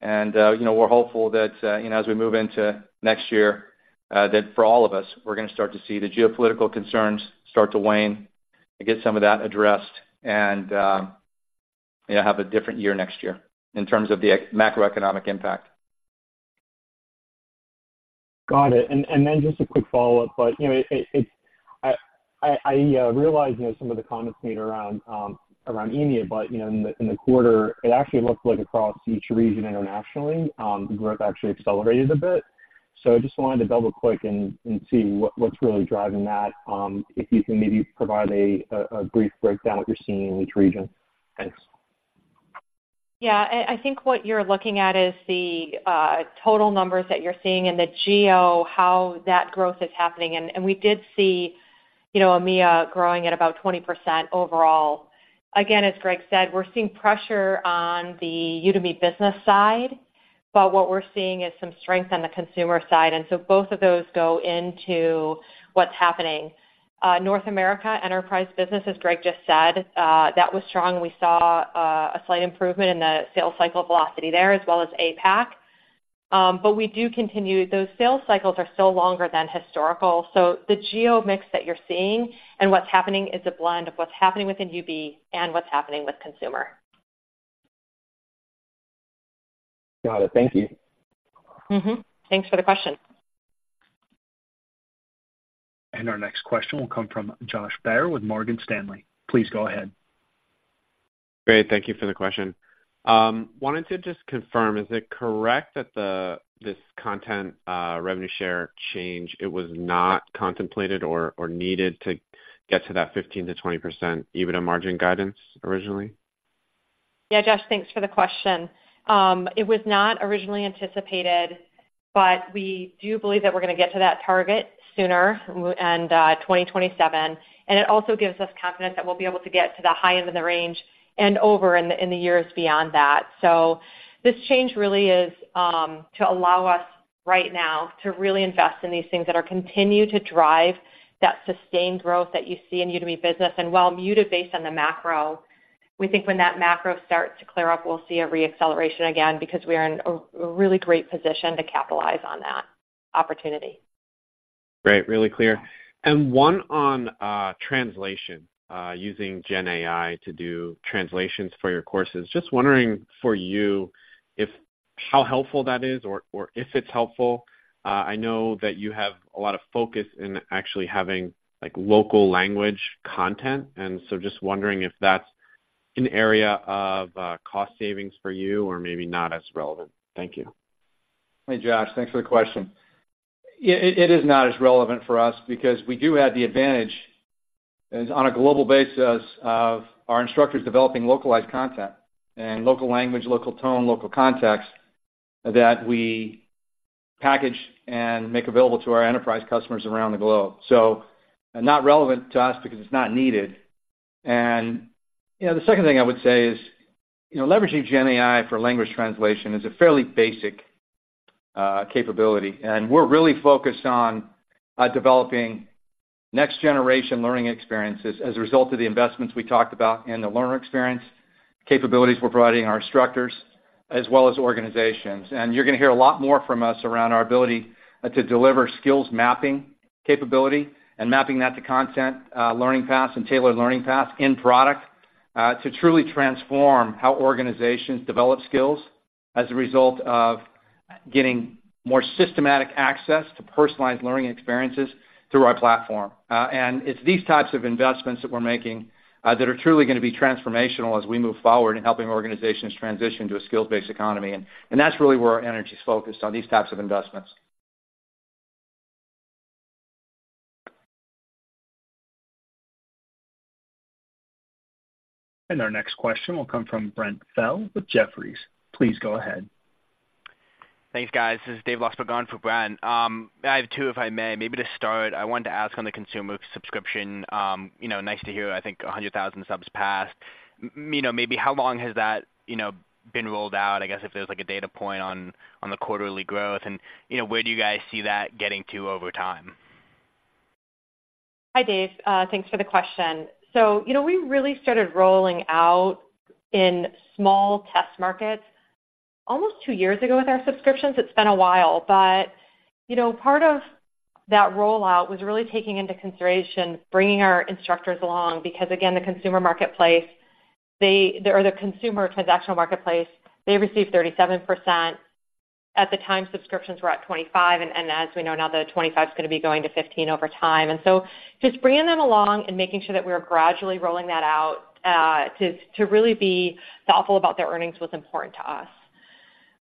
You know, we're hopeful that, you know, as we move into next year, that for all of us, we're gonna start to see the geopolitical concerns start to wane and get some of that addressed and, you know, have a different year next year in terms of the macroeconomic impact. Got it. And then just a quick follow-up. But, you know, I realize, you know, some of the comments made around EMEA, but, you know, in the quarter, it actually looked like across each region internationally, the growth actually accelerated a bit. So I just wanted to double-click and see what's really driving that, if you can maybe provide a brief breakdown of what you're seeing in each region. Thanks. Yeah. I think what you're looking at is the total numbers that you're seeing and the geo, how that growth is happening. And we did see, you know, EMEA growing at about 20% overall. Again, as Greg said, we're seeing pressure on the Udemy Business side, but what we're seeing is some strength on the consumer side, and so both of those go into what's happening. North America enterprise business, as Greg just said, that was strong. We saw a slight improvement in the sales cycle velocity there, as well as APAC. But we do continue... Those sales cycles are still longer than historical, so the geo mix that you're seeing and what's happening is a blend of what's happening within UB and what's happening with consumer. Got it. Thank you. Mm-hmm. Thanks for the question. Our next question will come from Josh Baer with Morgan Stanley. Please go ahead. Great. Thank you for the question. Wanted to just confirm, is it correct that this content revenue share change, it was not contemplated or, or needed to get to that 15%-20% EBITDA margin guidance originally? Yeah, Josh, thanks for the question. It was not originally anticipated, but we do believe that we're gonna get to that target sooner, and 2027. And it also gives us confidence that we'll be able to get to the high end of the range and over in the years beyond that. So this change really is to allow us right now to really invest in these things that continue to drive that sustained growth that you see in Udemy Business. And while muted based on the macro, we think when that macro starts to clear up, we'll see a re-acceleration again, because we are in a really great position to capitalize on that opportunity. Great, really clear. One on translation using GenAI to do translations for your courses. Just wondering for you if how helpful that is or if it's helpful. I know that you have a lot of focus in actually having, like, local language content, and so just wondering if that's an area of cost savings for you or maybe not as relevant. Thank you. Hey, Josh. Thanks for the question. Yeah, it, it is not as relevant for us because we do have the advantage, as on a global basis, of our instructors developing localized content and local language, local tone, local context that we package and make available to our enterprise customers around the globe. So not relevant to us because it's not needed. And, you know, the second thing I would say is, you know, leveraging GenAI for language translation is a fairly basic capability, and we're really focused on developing next-generation learning experiences as a result of the investments we talked about in the learner experience, capabilities we're providing our instructors, as well as organizations. And you're gonna hear a lot more from us around our ability, to deliver skills mapping capability and mapping that to content, learning paths and tailored learning paths in product, to truly transform how organizations develop skills as a result of getting more systematic access to personalized learning experiences through our platform. And it's these types of investments that we're making, that are truly gonna be transformational as we move forward in helping organizations transition to a skills-based economy. And, and that's really where our energy is focused, on these types of investments. Our next question will come from Brent Thill with Jefferies. Please go ahead. Thanks, guys. This is Dave Lofft, but gone for Brent. I have two, if I may. Maybe to start, I wanted to ask on the consumer subscription, you know, nice to hear, I think, 100,000 subs passed. You know, maybe how long has that, you know, been rolled out? I guess if there's, like, a data point on the quarterly growth, and, you know, where do you guys see that getting to over time? Hi, Dave. Thanks for the question. So, you know, we really started rolling out in small test markets almost two years ago with our subscriptions. It's been a while, but, you know, part of that rollout was really taking into consideration bringing our instructors along, because, again, the consumer marketplace, or the consumer transactional marketplace, they received 37%. At the time, subscriptions were at 25%, and as we know now, the 25% is gonna be going to 15% over time. And so just bringing them along and making sure that we are gradually rolling that out, to really be thoughtful about their earnings was important to us.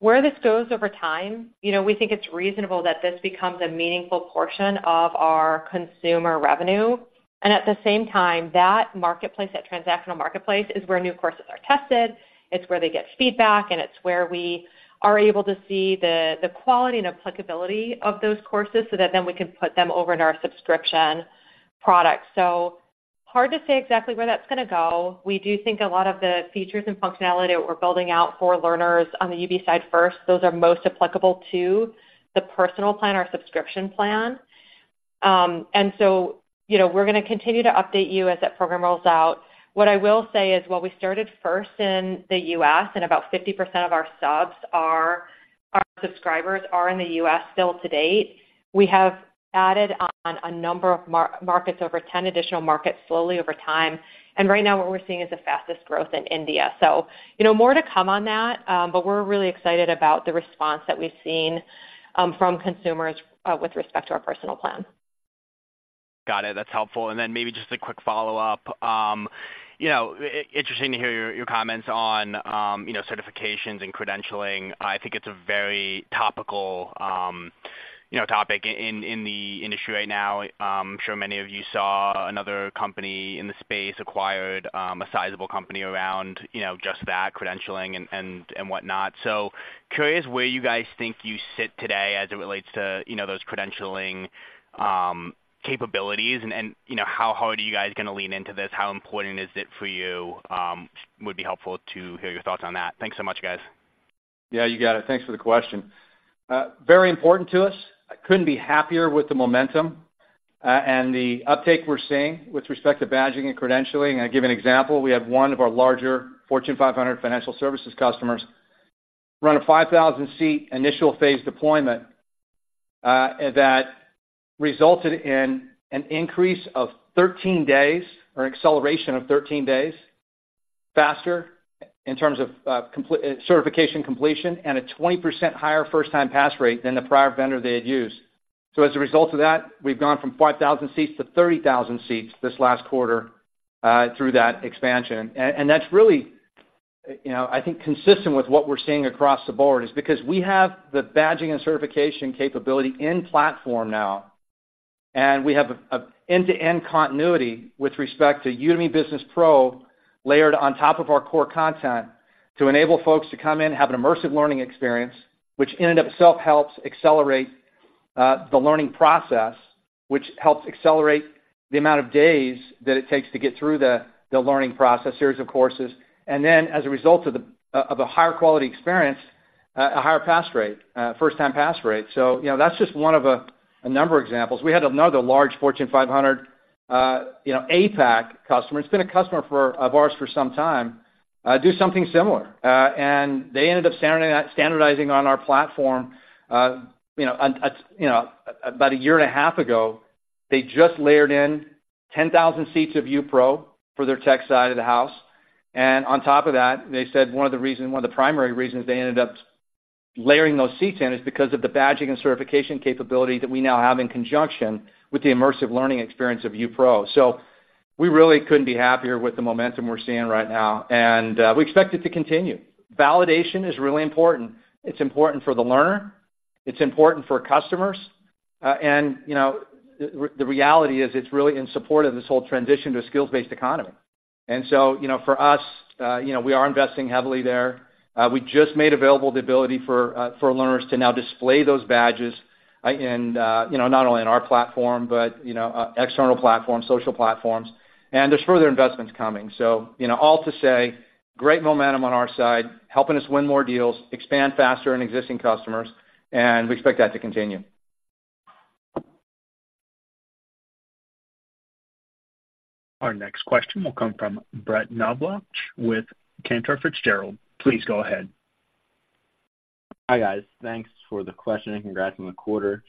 Where this goes over time, you know, we think it's reasonable that this becomes a meaningful portion of our consumer revenue. At the same time, that marketplace, that transactional marketplace, is where new courses are tested, it's where they get feedback, and it's where we are able to see the quality and applicability of those courses so that then we can put them over in our subscription product. Hard to say exactly where that's gonna go. We do think a lot of the features and functionality that we're building out for learners on the UB side first, those are most applicable to the Personal Plan or subscription plan. And so, you know, we're gonna continue to update you as that program rolls out. What I will say is, while we started first in the U.S., and about 50% of our subs are, our subscribers are in the U.S. still to date, we have added on a number of markets, over 10 additional markets, slowly over time. Right now what we're seeing is the fastest growth in India. So, you know, more to come on that, but we're really excited about the response that we've seen from consumers with respect to our Personal Plan. Got it. That's helpful. Then maybe just a quick follow-up. You know, interesting to hear your, your comments on, you know, certifications and credentialing. I think it's a very topical, you know, topic in, in the industry right now. I'm sure many of you saw another company in the space acquired, a sizable company around, you know, just that, credentialing and, and, and whatnot. So curious where you guys think you sit today as it relates to, you know, those credentialing, capabilities, and, you know, how hard are you guys gonna lean into this? How important is it for you? Would be helpful to hear your thoughts on that. Thanks so much, guys. Yeah, you got it. Thanks for the question. Very important to us. I couldn't be happier with the momentum and the uptake we're seeing with respect to badging and credentialing. I'll give you an example: We had one of our larger Fortune 500 financial services customers run a 5,000-seat initial phase deployment that resulted in an increase of 13 days, or an acceleration of 13 days faster in terms of compliance certification completion, and a 20% higher first-time pass rate than the prior vendor they had used. So as a result of that, we've gone from 5,000 seats to 30,000 seats this last quarter through that expansion. And that's really, you know, I think, consistent with what we're seeing across the board, is because we have the badging and certification capability in platform now, and we have a end-to-end continuity with respect to Udemy Business Pro layered on top of our core content to enable folks to come in, have an immersive learning experience, which in and of itself helps accelerate the learning process, which helps accelerate the amount of days that it takes to get through the learning process, series of courses. And then, as a result of a higher quality experience, a higher pass rate, first-time pass rate. So, you know, that's just one of a number of examples. We had another large Fortune 500, you know, APAC customer; it's been a customer of ours for some time, do something similar. And they ended up standardizing on our platform, you know, about a year and a half ago, they just layered in 10,000 seats of UB Pro for their tech side of the house. And on top of that, they said one of the reasons, one of the primary reasons they ended up layering those seats in is because of the badging and certification capability that we now have in conjunction with the immersive learning experience of Udemy Business Pro. So we really couldn't be happier with the momentum we're seeing right now, and we expect it to continue. Validation is really important. It's important for the learner, it's important for customers, and, you know, the reality is it's really in support of this whole transition to a skills-based economy. And so, you know, for us, you know, we are investing heavily there. We just made available the ability for learners to now display those badges in, you know, not only in our platform but, you know, external platforms, social platforms, and there's further investments coming. So, you know, all to say, great momentum on our side, helping us win more deals, expand faster in existing customers, and we expect that to continue. Our next question will come from Brett Knoblauch with Cantor Fitzgerald. Please go ahead. Hi, guys. Thanks for the question, and congrats on the quarter.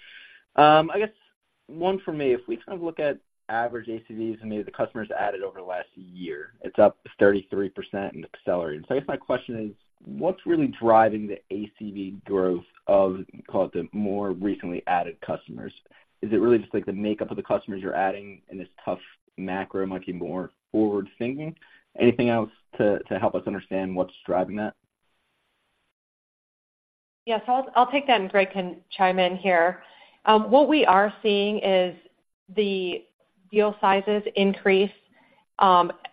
I guess one for me. If we kind of look at average ACVs and maybe the customers added over the last year, it's up 33% and accelerating. So I guess my question is: What's really driving the ACV growth of, call it, the more recently added customers? Is it really just, like, the makeup of the customers you're adding in this tough macro might be more forward thinking? Anything else to help us understand what's driving that? Yeah. So I'll, I'll take that, and Greg can chime in here. What we are seeing is the deal sizes increase,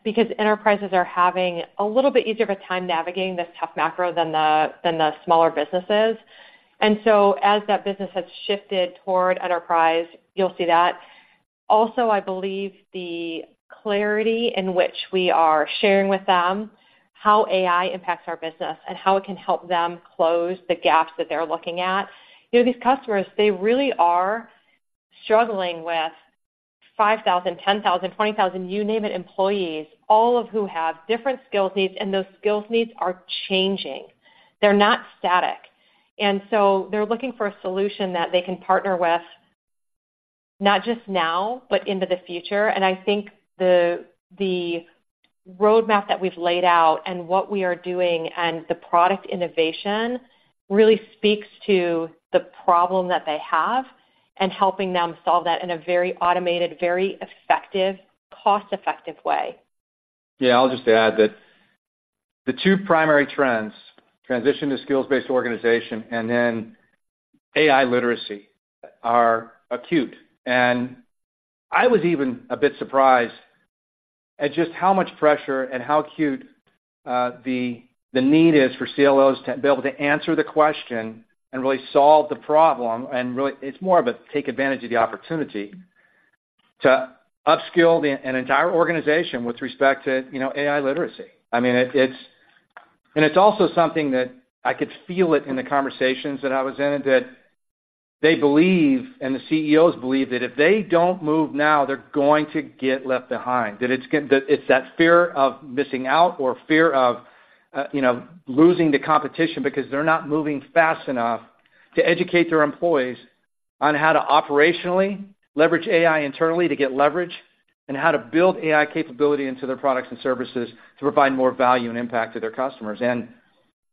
because enterprises are having a little bit easier of a time navigating this tough macro than the smaller businesses. And so as that business has shifted toward enterprise, you'll see that. Also, I believe the clarity in which we are sharing with them how AI impacts our business and how it can help them close the gaps that they're looking at. You know, these customers, they really are struggling with 5,000, 10,000, 20,000, you name it, employees, all of who have different skills needs, and those skills needs are changing. They're not static. And so they're looking for a solution that they can partner with, not just now, but into the future. I think the roadmap that we've laid out and what we are doing and the product innovation really speaks to the problem that they have, and helping them solve that in a very automated, very effective, cost-effective way. Yeah, I'll just add that the two primary trends, transition to skills-based organization and then AI literacy, are acute. And I was even a bit surprised at just how much pressure and how acute the need is for CLOs to be able to answer the question and really solve the problem, and really, it's more of a take advantage of the opportunity to upskill the entire organization with respect to, you know, AI literacy. I mean, it's. And it's also something that I could feel it in the conversations that I was in, and that they believe, and the CEOs believe, that if they don't move now, they're going to get left behind. That it's that fear of missing out or fear of, you know, losing the competition because they're not moving fast enough to educate their employees on how to operationally leverage AI internally to get leverage, and how to build AI capability into their products and services to provide more value and impact to their customers. And,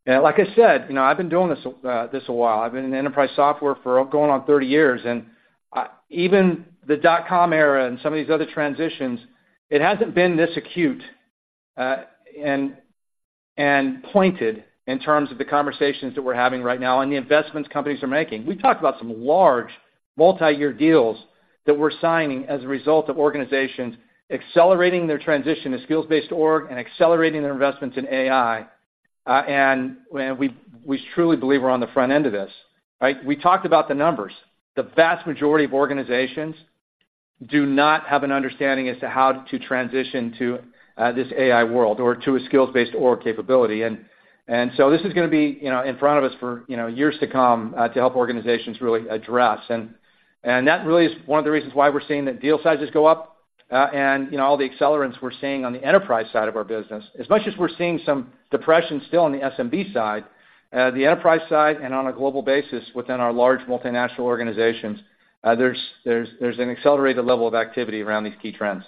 like I said, you know, I've been doing this a while. I've been in enterprise software for going on 30 years, and, even the dot-com era and some of these other transitions, it hasn't been this acute, and pointed in terms of the conversations that we're having right now and the investments companies are making. We talked about some large multi-year deals that we're signing as a result of organizations accelerating their transition to skills-based org and accelerating their investments in AI. And we truly believe we're on the front end of this, right? We talked about the numbers. The vast majority of organizations do not have an understanding as to how to transition to this AI world or to a skills-based org capability. And so this is gonna be, you know, in front of us for, you know, years to come, to help organizations really address. And that really is one of the reasons why we're seeing the deal sizes go up, and, you know, all the accelerants we're seeing on the enterprise side of our business. As much as we're seeing some depression still on the SMB side, the enterprise side and on a global basis within our large multinational organizations, there's an accelerated level of activity around these key trends.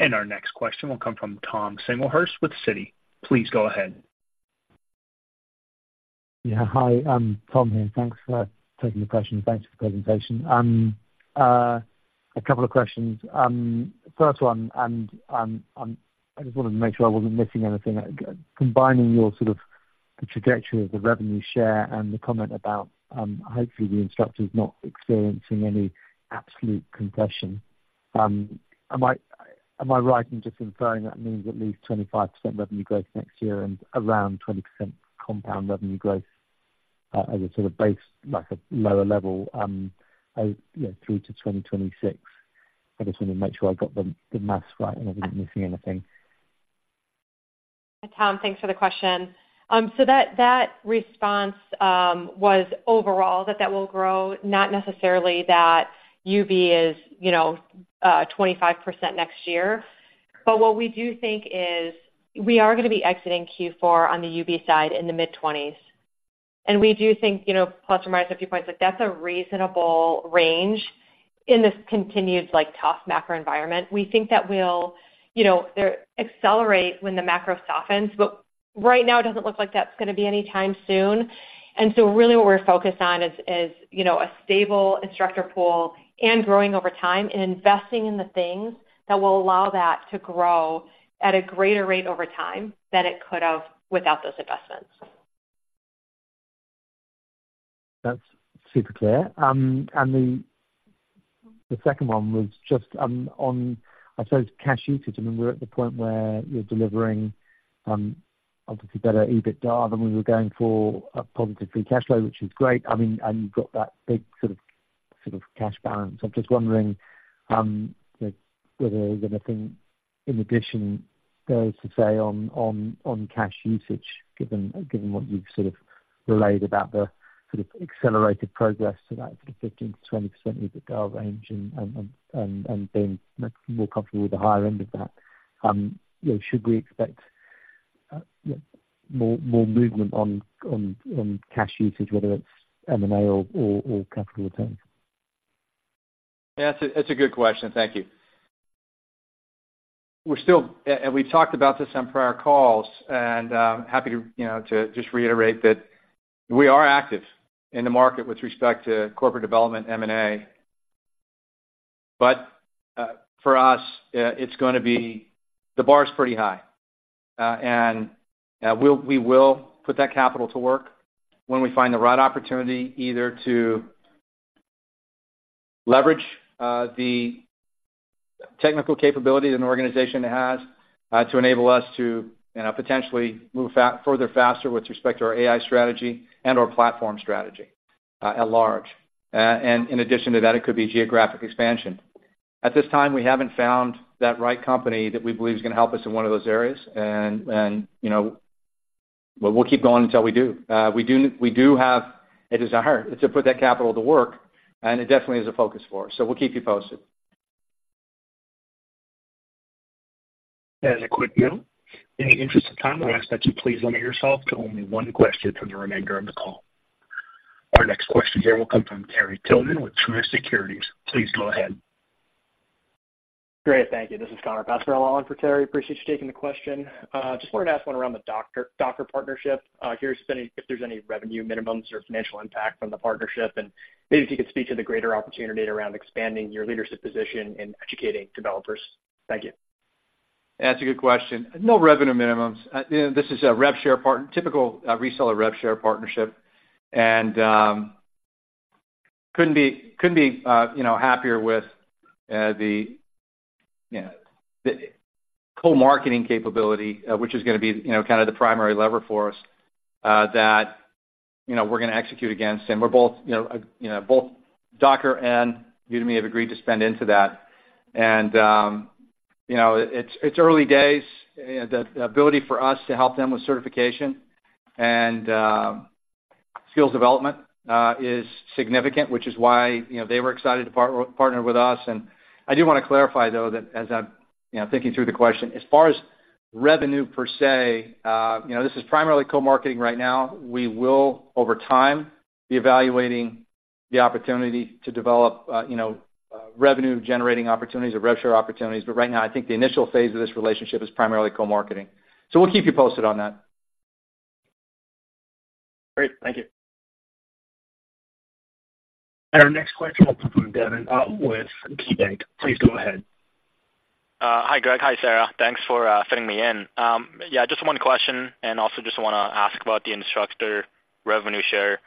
Our next question will come from Tom Singlehurst with Citi. Please go ahead. Yeah, hi, Tom here. Thanks for taking the question. Thanks for the presentation. A couple of questions. First one, I just wanted to make sure I wasn't missing anything. Combining your sort of the trajectory of the revenue share and the comment about, hopefully, the instructors not experiencing any absolute compression, am I, am I right in just inferring that means at least 25% revenue growth next year and around 20% compound revenue growth, as a sort of base, like a lower level, you know, through to 2026? I just wanted to make sure I got the math right and I didn't miss anything. Tom, thanks for the question. So that response was overall that it will grow, not necessarily that UB is, you know, 25% next year. But what we do think is, we are gonna be exiting Q4 on the UB side in the mid-20%s. And we do think, you know, plus or minus a few points, like, that's a reasonable range in this continued, like, tough macro environment. We think that we'll, you know, they'll accelerate when the macro softens, but right now, it doesn't look like that's gonna be anytime soon. And so really what we're focused on is, you know, a stable instructor pool and growing over time and investing in the things that will allow that to grow at a greater rate over time than it could have without those investments. That's super clear. And the second one was just on, I suppose, cash usage. I mean, we're at the point where you're delivering obviously better EBITDA than we were going for positive Free Cash Flow, which is great. I mean, and you've got that big sort of cash balance. I'm just wondering whether there's anything in addition there to say on cash usage, given what you've sort of relayed about the sort of accelerated progress to that sort of 15%-20% EBITDA range and being more comfortable with the higher end of that. You know, should we expect more movement on cash usage, whether it's M&A or capital returns? Yeah, that's a good question. Thank you. We're still... and we talked about this on prior calls, and happy to, you know, to just reiterate that we are active in the market with respect to corporate development M&A. But, for us, it's gonna be... The bar is pretty high, and we will put that capital to work when we find the right opportunity, either to leverage the technical capability an organization has to enable us to potentially move further, faster with respect to our AI strategy and our platform strategy at large. And in addition to that, it could be geographic expansion. At this time, we haven't found that right company that we believe is gonna help us in one of those areas, and you know, but we'll keep going until we do. We do, we do have a desire to put that capital to work, and it definitely is a focus for us, so we'll keep you posted. As a quick note, in the interest of time, we ask that you please limit yourself to only one question for the remainder of the call. Our next question here will come from Terry Tillman with Truist Securities. Please go ahead. Great, thank you. This is Connor Passarella on for Terry. Appreciate you taking the question. Just wanted to ask one around the Docker, Docker partnership. Curious if any, if there's any revenue minimums or financial impact from the partnership, and maybe if you could speak to the greater opportunity around expanding your leadership position in educating developers. Thank you. That's a good question. No revenue minimums. You know, this is a rev share partnership, typical reseller rev share partnership. And couldn't be happier with the co-marketing capability, which is gonna be kind of the primary lever for us that we're gonna execute against. And we're both, you know, both Docker and Udemy have agreed to spend into that. And you know, it's early days. The ability for us to help them with certification and skills development is significant, which is why they were excited to partner with us. And I do wanna clarify, though, that as I'm thinking through the question, as far as revenue per se, you know, this is primarily co-marketing right now. We will, over time, be evaluating the opportunity to develop, you know, revenue-generating opportunities or rev share opportunities. But right now, I think the initial phase of this relationship is primarily co-marketing. So we'll keep you posted on that. Great. Thank you. Our next question will come from Devin Au with KeyBanc. Please go ahead. Hi, Greg. Hi, Sarah. Thanks for fitting me in. Yeah, just one question, and also just wanna ask about the instructor revenue share.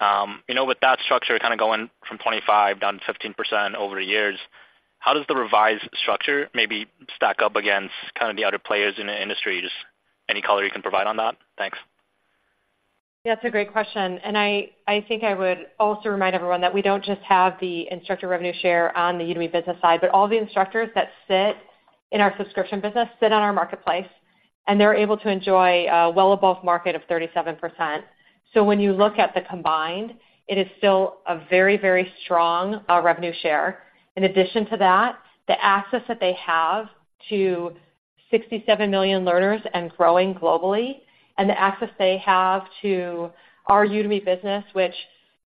You know, with that structure kind of going from 25% down to 15% over the years, how does the revised structure maybe stack up against kind of the other players in the industry? Just any color you can provide on that? Thanks. That's a great question, and I think I would also remind everyone that we don't just have the instructor revenue share on the Udemy Business side, but all the instructors that sit in our subscription business sit on our marketplace, and they're able to enjoy well above market of 37%. So when you look at the combined, it is still a very, very strong revenue share. In addition to that, the access that they have to 67 million learners and growing globally, and the access they have to our Udemy Business, which,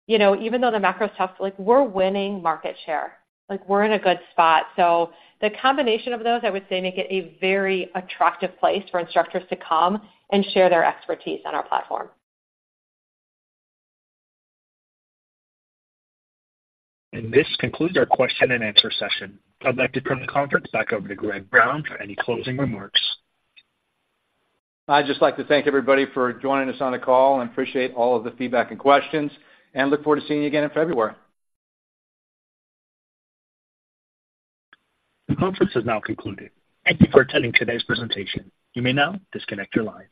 you know, even though the macro's tough, like, we're winning market share, like, we're in a good spot. So the combination of those, I would say, make it a very attractive place for instructors to come and share their expertise on our platform. This concludes our question and answer session. I'd like to turn the conference back over to Greg Brown for any closing remarks. I'd just like to thank everybody for joining us on the call, and appreciate all of the feedback and questions, and look forward to seeing you again in February. The conference is now concluded. Thank you for attending today's presentation. You may now disconnect your lines.